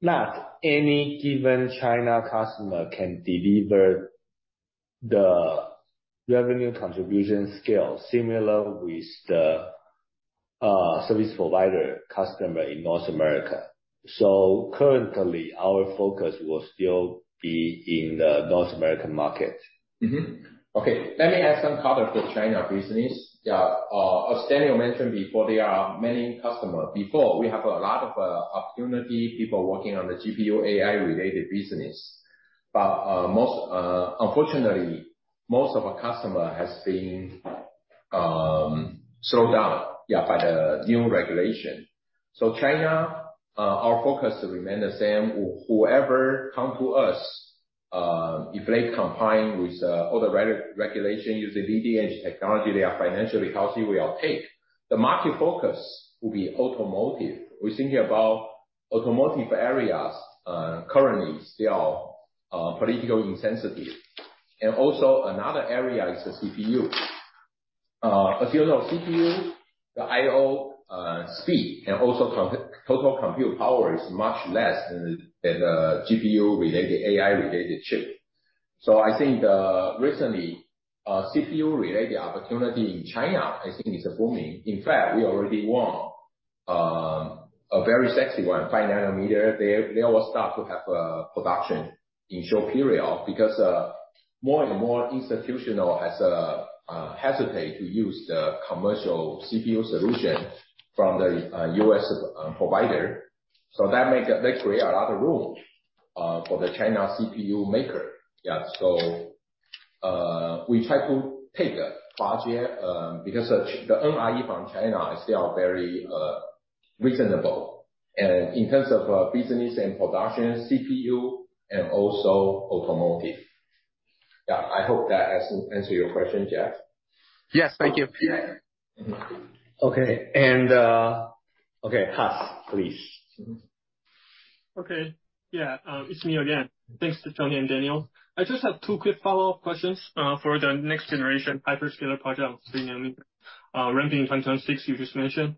not any given China customer can deliver the revenue contribution scale similar with the service provider customer in North America. So currently, our focus will still be in the North American market. Mm-hmm. Okay, let me add some color for China business. Yeah, as Daniel mentioned before, there are many customers. Before, we have a lot of opportunity, people working on the GPU AI-related business. But, most, unfortunately, most of our customer has been slowed down, yeah, by the new regulation. So China, our focus remain the same. Whoever come to us, if they combine with all the regulation, using edge technology, they are financially healthy, we all take. The market focus will be automotive. We're thinking about automotive areas, currently still, politically insensitive. And also another area is the CPU. As you know, CPU, the I/O speed, and also total compute power is much less than the GPU-related, AI-related chip. So I think the recent CPU-related opportunity in China, I think is booming. In fact, we already won a very sexy one, 5 nanometer. They will start to have production in short period, because more and more institutional has hesitate to use the commercial CPU solution from the U.S. provider. So that create a lot of room for the China CPU maker. Yeah, so, we try to take a project because the NRE from China is still very reasonable. And in terms of business and production, CPU and also automotive. Yeah, I hope that has answer your question, Jeff. Yes, thank you. Okay. And, okay, Haas, please. Okay. Yeah, it's me again. Thanks you Jonny and Daniel. I just have two quick follow-up questions, for the next generation hyperscaler project, ramping in 2026 you just mentioned.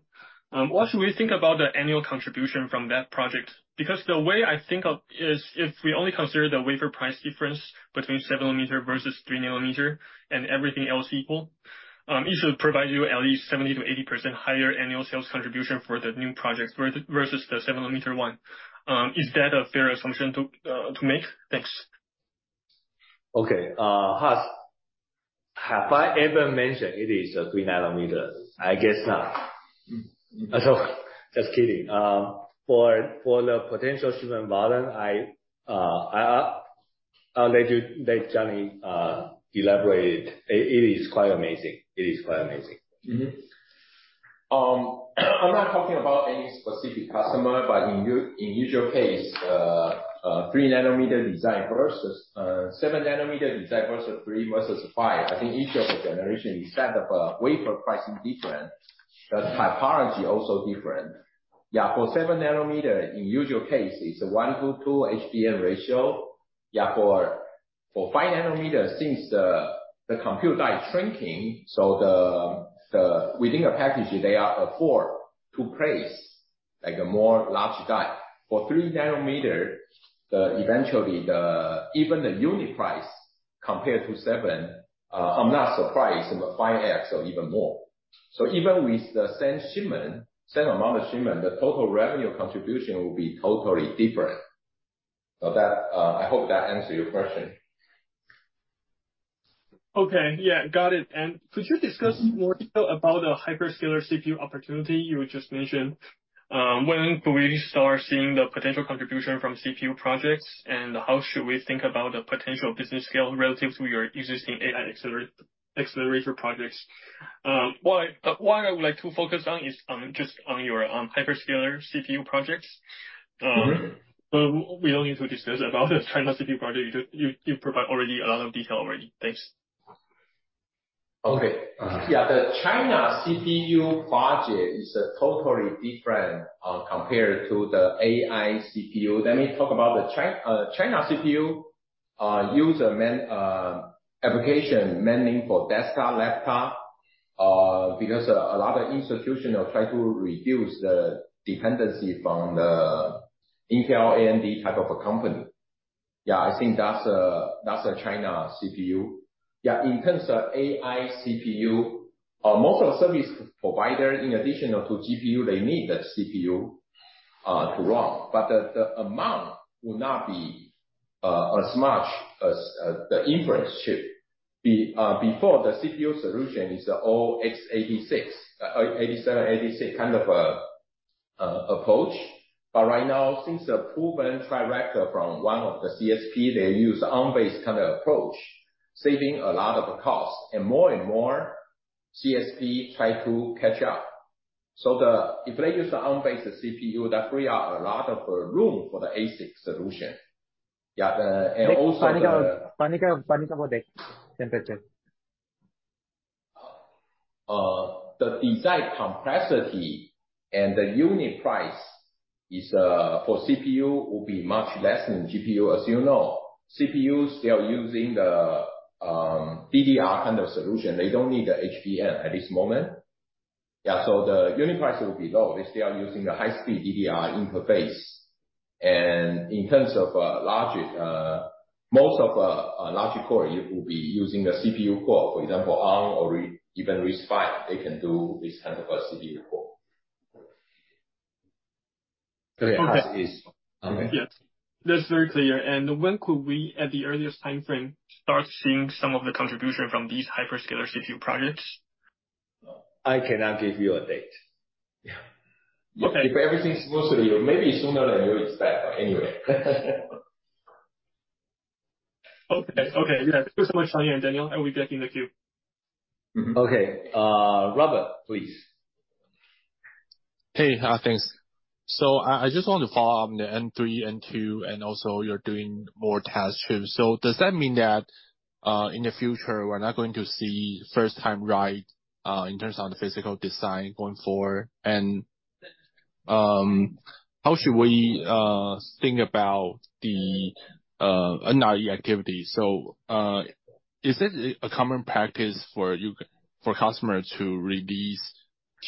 What should we think about the annual contribution from that project? Because the way I think of is, if we only consider the wafer price difference between 7 nanometer versus 3 nanometer, and everything else equal, it should provide you at least 70%-80% higher annual sales contribution for the new project versus the 7 nanometer one. Is that a fair assumption to make? Thanks. Okay, Haas, have I ever mentioned it is a 3 nanometer? I guess not. So, just kidding. For the potential shipment volume, I'll let Johnny elaborate. It is quite amazing. It is quite amazing. Mm-hmm. I'm not talking about any specific customer, but in usual case, 3 nanometer design versus 7 nanometer design versus 3 versus 5, I think each of the generation, instead of a wafer pricing different, the topology also different. Yeah, for 7 nanometer, in usual case, it's a 1-2 HBM ratio. Yeah, for 5 nanometer, since the compute die is shrinking, so the within a package, they are afford to place, like, a more large die. For 3 nanometer, eventually, even the unit price compared to 7, I'm not surprised, in the 5x or even more. So even with the same shipment, same amount of shipment, the total revenue contribution will be totally different. So that, I hope that answer your question. Okay. Yeah, got it. And could you discuss more detail about the hyperscaler CPU opportunity you just mentioned? When will we start seeing the potential contribution from CPU projects, and how should we think about the potential business scale relative to your existing AI accelerator projects? What I would like to focus on is just on your hyperscaler CPU projects. But we don't need to discuss about the China CPU project. You provide already a lot of detail already. Thanks. Okay. Yeah, the China CPU project is totally different, compared to the AI CPU. Let me talk about the China CPU, use as main application mainly for desktop, laptop, because a lot of institutions try to reduce the dependency from the Intel, AMD type of a company. Yeah, I think that's a, that's a China CPU. Yeah, in terms of AI CPU, most of the service providers, in addition to GPU, they need the CPU, to run. But the, the amount will not be, as much as, the inference chip. Before the CPU solution is all x86, x87, x86, kind of approach. But right now, since the proven track record from one of the CSP, they use Arm-based kind of approach, saving a lot of cost, and more and more CSP try to catch up. So the... If they use the Arm-based CPU, that free up a lot of room for the ASIC solution. Yeah, the, and also the- [Benefit or Penalty] for the temperature. The design complexity and the unit price is, for CPU, will be much less than GPU, as you know. CPU, they are using the, DDR kind of solution. They don't need the HBM at this moment.... Yeah, so the unit price will be low if they are using the high speed DDR interface. And in terms of, logic, most of, logic core, it will be using the CPU core, for example, ARM or even RISC-V, they can do this kind of a CPU core. Okay. Okay. Yes, that's very clear. And when could we, at the earliest time frame, start seeing some of the contribution from these hyperscaler CPU projects? I cannot give you a date. Yeah. Okay. If everything goes to you, maybe sooner than you expect, anyway. Okay. Okay, yeah. Thanks so much, Johnny and Daniel. I will be back in the queue. Mm-hmm. Okay, Robert, please. Hey, thanks. So I just want to follow up on the N3, N2, and also you're doing more tests too. So does that mean that, in the future, we're not going to see first time right, in terms of the physical design going forward? And, how should we, think about the, NRE activity? So, is it a common practice for you, for customers to release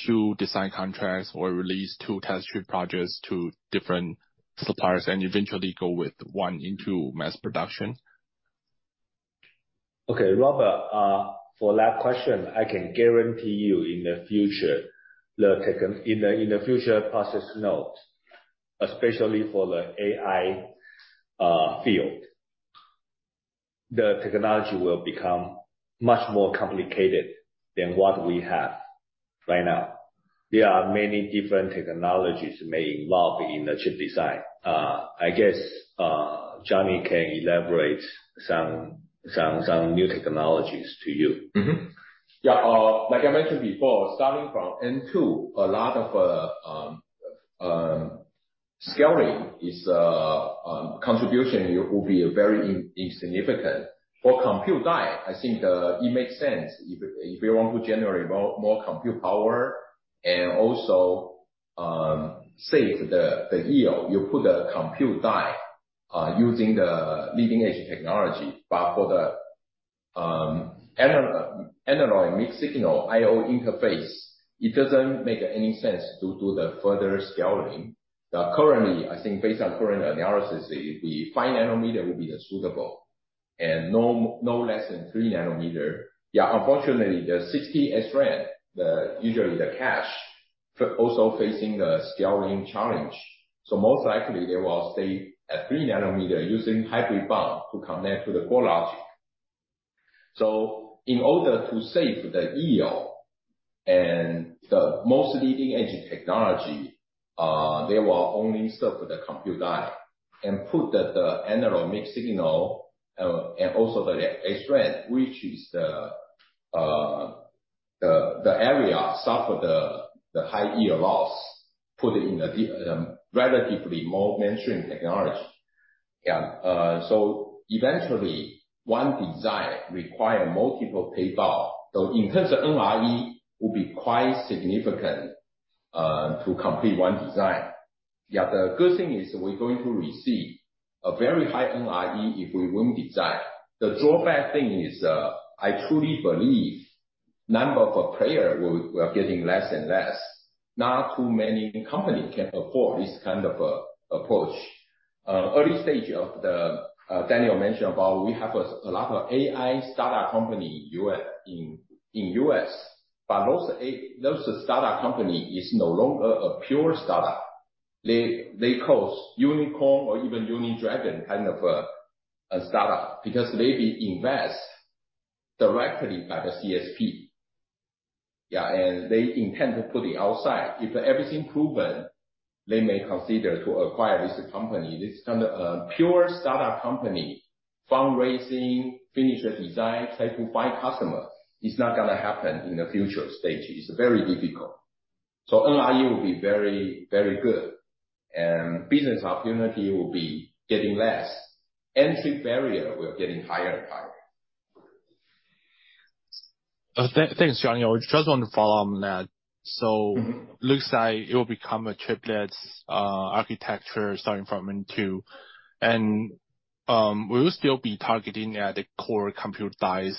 two design contracts or release two test chip projects to different suppliers and eventually go with one into mass production? Okay, Robert, for that question, I can guarantee you in the future, in the future process node, especially for the AI field, the technology will become much more complicated than what we have right now. There are many different technologies may involve in the chip design. I guess, Johnny can elaborate some new technologies to you. Yeah, like I mentioned before, starting from N2, a lot of scaling is contribution will be very insignificant. For compute die, I think, it makes sense. If you want to generate more compute power and also save the yield, you put the compute die using the leading-edge technology. But for the analog, mixed-signal I/O interface, it doesn't make any sense to do the further scaling. Currently, I think based on current analysis, the 5-nanometer will be the suitable and no less than 3-nanometer. Yeah, unfortunately, the 6T SRAM, usually the cache, but also facing the scaling challenge. So most likely they will stay at 3-nanometer using Hybrid Bond to connect to the core logic. So in order to save the yield and the most leading-edge technology, they will only serve the compute die and put the analog mixed signal, and also the SRAM, which is the area suffer the high yield loss, put it in a relatively more mainstream technology. Yeah, so eventually, one design require multiple payback. So in terms of NRE, will be quite significant to complete one design. Yeah, the good thing is we're going to receive a very high NRE if we win design. The drawback thing is, I truly believe number of player will, we are getting less and less. Not too many companies can afford this kind of approach. Early stage of the, Daniel mentioned about we have a lot of AI startup company in the U.S., but those startup company is no longer a pure startup. They, they call unicorn or even uni-dragon kind of a startup, because they be invest directly by the CSP. Yeah, and they intend to put it outside. If everything proven, they may consider to acquire this company. This kind of pure startup company, fundraising, finish the design, try to find customer, it's not gonna happen in the future stage. It's very difficult. So NRE will be very, very good, and business opportunity will be getting less. Entry barrier will be getting higher and higher. Thanks, Johnny. I just want to follow up on that. Looks like it will become a chiplets architecture starting from N2. Will you still be targeting at the core compute dies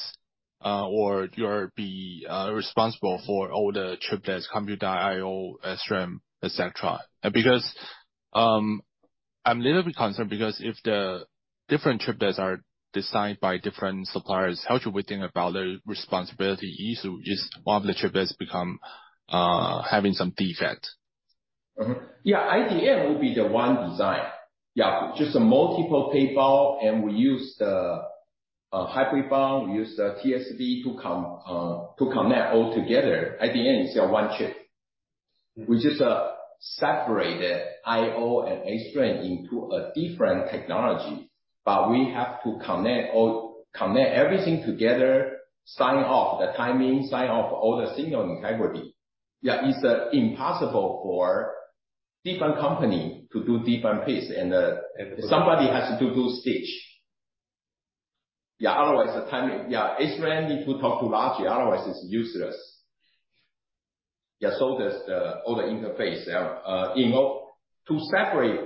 or you'll be responsible for all the chiplets, compute die, I/O, SRAM, et cetera? Because I'm a little bit concerned, because if the different chiplets are designed by different suppliers, how should we think about the responsibility if just one of the chiplets become having some defect? Mm-hmm. Yeah, IDM will be the one design. Yeah, just a multiple tape out, and we use the hybrid bond, we use the TSV to connect all together. At the end, it's a one chip. We just separate the I/O and SRAM into a different technology, but we have to connect all, connect everything together, sign off the timing, sign off all the signal integrity. Yeah, it's impossible for different company to do different piece, and somebody has to do stitch. Yeah, otherwise the timing... Yeah, SRAM need to talk to logic, otherwise it's useless. Yeah, so does all the interface. To separate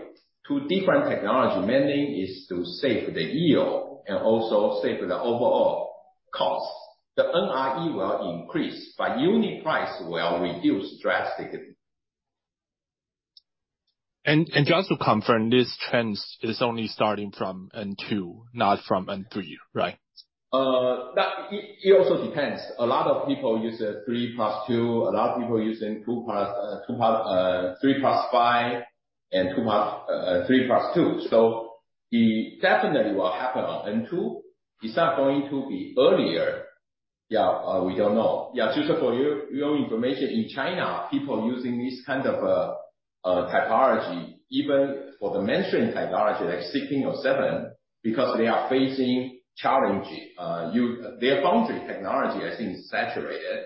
two different technology, mainly is to save the yield and also save the overall costs. The NRE will increase, but unit price will reduce drastically. Just to confirm, this trends is only starting from N2, not from N3, right? It also depends. A lot of people use a 3 plus 2. A lot of people are using 2 plus 2, 3 plus 5, and 3 plus 2. So it definitely will happen on N2. It's not going to be earlier. Yeah, we don't know. Yeah, just for your information, in China, people using this kind of technology, even for the mainstream technology, like 16 or 7, because they are facing challenges. Their foundry technology, I think, is saturated,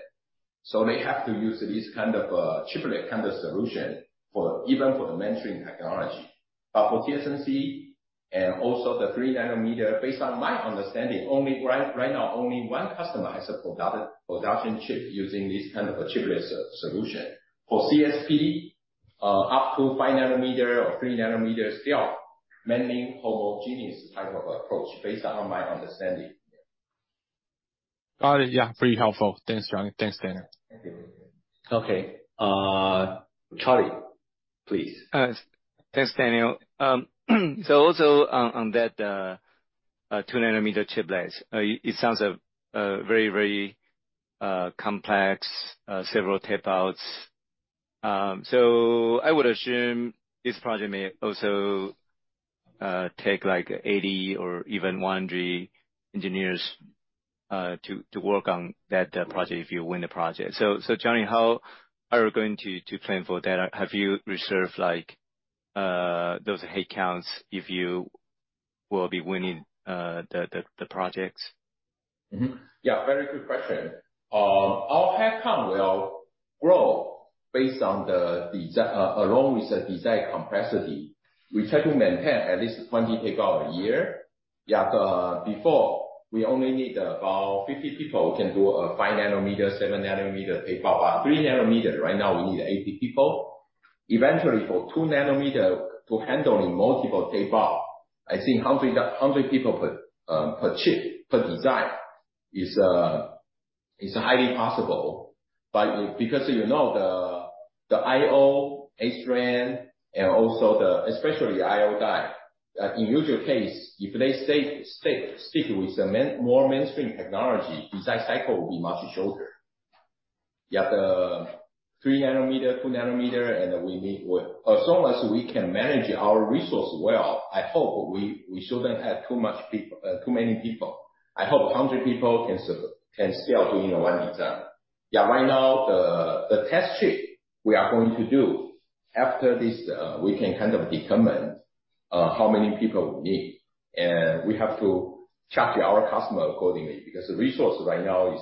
so they have to use this kind of chiplet kind of solution for even for the mainstream technology. But for TSMC and also the 3-nanometer, based on my understanding, only right now, only one customer has a production chip using this kind of a chiplet solution. For CSP, up to 5 nanometer or 3 nanometer, still mainly homogeneous type of approach, based on my understanding. Got it. Yeah, pretty helpful. Thanks, Johnny. Thanks, Daniel. Thank you. Okay. Charlie, please. Thanks, Daniel. So also on that 2 nanometer chiplets, it sounds very, very complex, several tape outs. So I would assume this project may also take, like, 80 or even 100 engineers to work on that project if you win the project. So Johnny, how are you going to plan for that? Have you reserved, like, those headcounts if you will be winning the projects? Mm-hmm. Yeah, very good question. Our headcount will grow based on the design along with the design complexity. We try to maintain at least 20 tape out a year. Yeah, before, we only need about 50 people, we can do 5 nanometer, 7 nanometer tape out. But 3 nanometer, right now, we need 80 people. Eventually, for 2 nanometer to handle in multiple tape out, I think 100, 100 people per per chip, per design is highly possible. But because, you know, the I/O, HBM, and also the, especially the I/O die, in usual case, if they stay, stay, stick with the main, more mainstream technology, design cycle will be much shorter. Yeah, the 3 nanometer, 2 nanometer, and we need, as long as we can manage our resource well, I hope we, we shouldn't have too much people, too many people. I hope 100 people can serve, can still do, you know, one design. Yeah, right now, the test chip we are going to do, after this, we can kind of determine, how many people we need. And we have to charge our customer accordingly, because the resource right now is,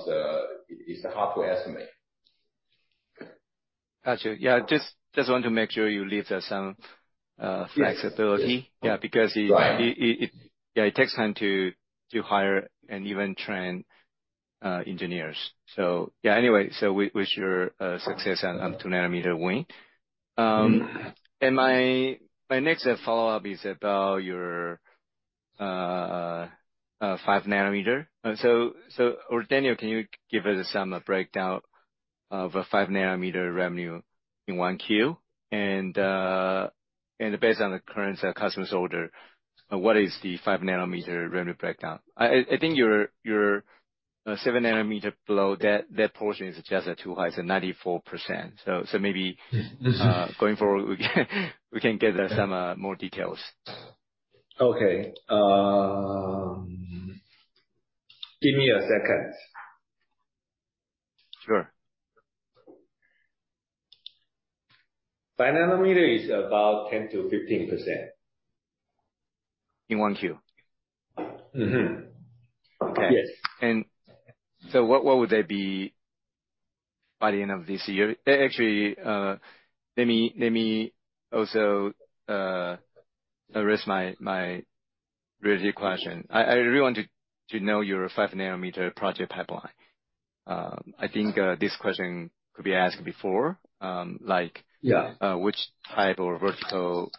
is hard to estimate. Got you. Yeah, just want to make sure you leave there some flexibility. Yes. Yeah, because it- It takes time to hire and even train engineers. So yeah, anyway, we wish you success on 2-nanometer win. And my next follow-up is about your 5-nanometer. Or, Daniel, can you give us some breakdown of 5-nanometer revenue in 1Q? And based on the current customers' order, what is the 5-nanometer revenue breakdown? I think your 7-nanometer below that portion is just too high; it's 94%. So maybe- Going forward, we can get some more details. Okay. Give me a second. Sure. 5 nanometer is about 10%-15%. In 1Q? Mm-hmm. Yes. So what would they be by the end of this year? Actually, let me also erase my original question. I really want to know your 5 nanometer project pipeline. I think this question could be asked before, like- Yeah. Which type or vertical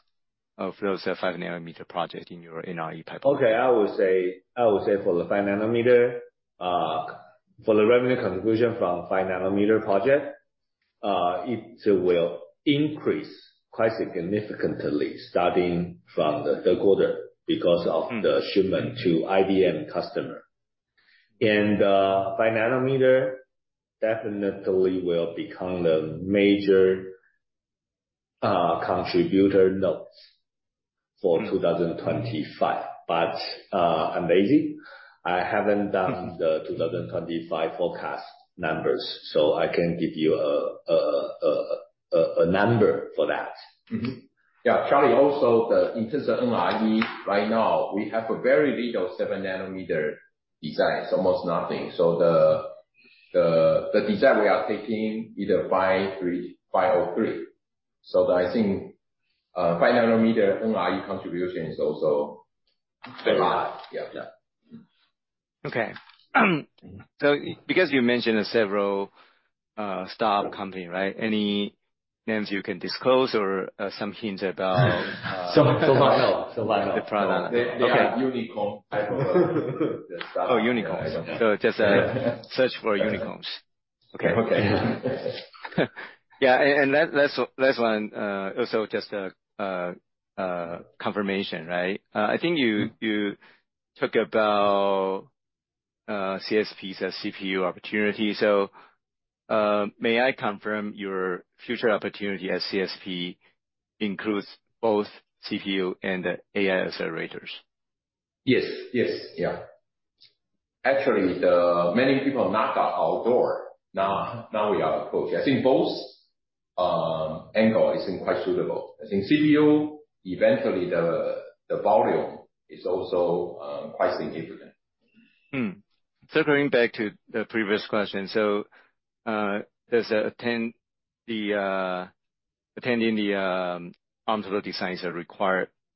of those are 5 nanometer project in your NRE pipeline? Okay, I would say, I would say for the 5 nanometer, for the revenue conclusion from 5 nanometer project, it will increase quite significantly, starting from the third quarter because of the shipment to IDM customer. And, 5 nanometer definitely will become the major, contributor nodes for 2025. But, I'm lazy, I haven't done the 2025 forecast numbers, so I can give you a number for that.. Yeah, Charlie, also the, in terms of NRE, right now, we have a very little 7 nanometer designs, almost nothing. So the, the, the design we are taking, either 5, 3, 5 or 3. So I think, 5 nanometer NRE contribution is also-... Very high. Yeah, yeah. Okay. So because you mentioned several startup company, right? Any names you can disclose or some hints about- So much. So lot. The product. Okay. They are unicorn type of Oh, unicorns. I don't know. Just search for unicorns. Okay. Okay. Yeah, and last one, also just confirmation, right? I think you talked about CSPs as CPU opportunity. So, may I confirm your future opportunity as CSP includes both CPU and AI accelerators? Yes, yes. Yeah. Actually, the many people knock on our door. Now, now we are approaching. I think both angle is quite suitable. I think CPU, eventually, the volume is also quite significant. So going back to the previous question, does attending the Arm design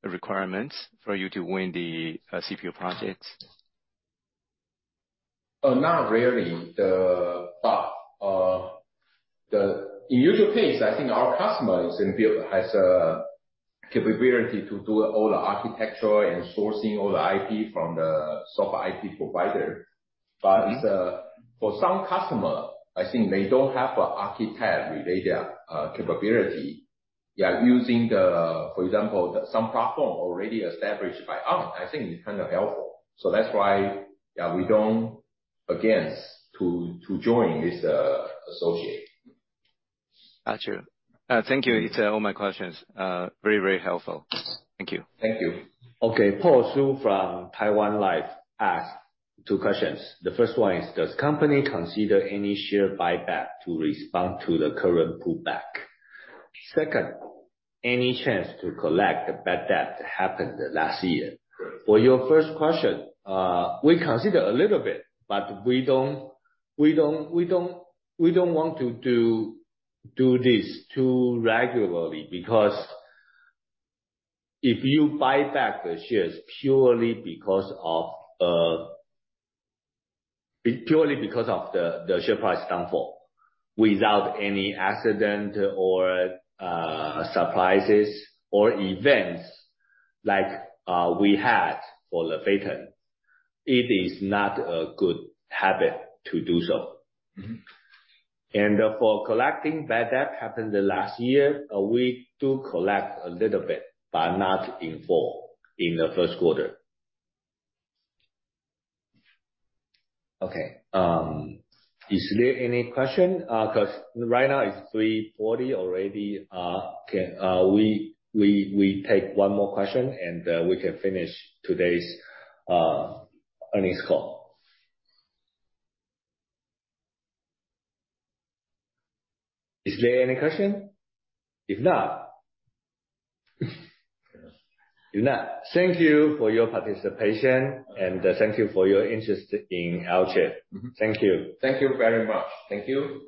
requirements for you to win the CPU projects? Not really. In usual case, I think our customers in-house build has a capability to do all the architecture and sourcing all the IP from the soft IP provider. But, for some customer, I think they don't have an architect-related capability. Yeah, using, for example, some platform already established by us, I think it's kind of helpful. So that's why, yeah, we don't against to join this associate. Got you. Thank you. It's all my questions. Very, very helpful. Thank you. Thank you. Okay, Paul Shu from Taiwan Life asked two questions. The first one is: Does company consider any share buyback to respond to the current pullback? Second, any chance to collect the bad debt happened last year? For your first question, we consider a little bit, but we don't want to do this too regularly, because if you buy back the shares purely because of the share price downfall, without any accident or surprises or events like we had for Phytium, it is not a good habit to do so. Mm-hmm. For collecting bad debt happened the last year, we do collect a little bit, but not in full in the first quarter. Okay, is there any question? 'Cause right now, it's 3:40 P.M. already. Okay, we take one more question, and we can finish today's earnings call. Is there any question? If not... If not, thank you for your participation, and thank you for your interest in Alchip. Thank you. Thank you very much. Thank you.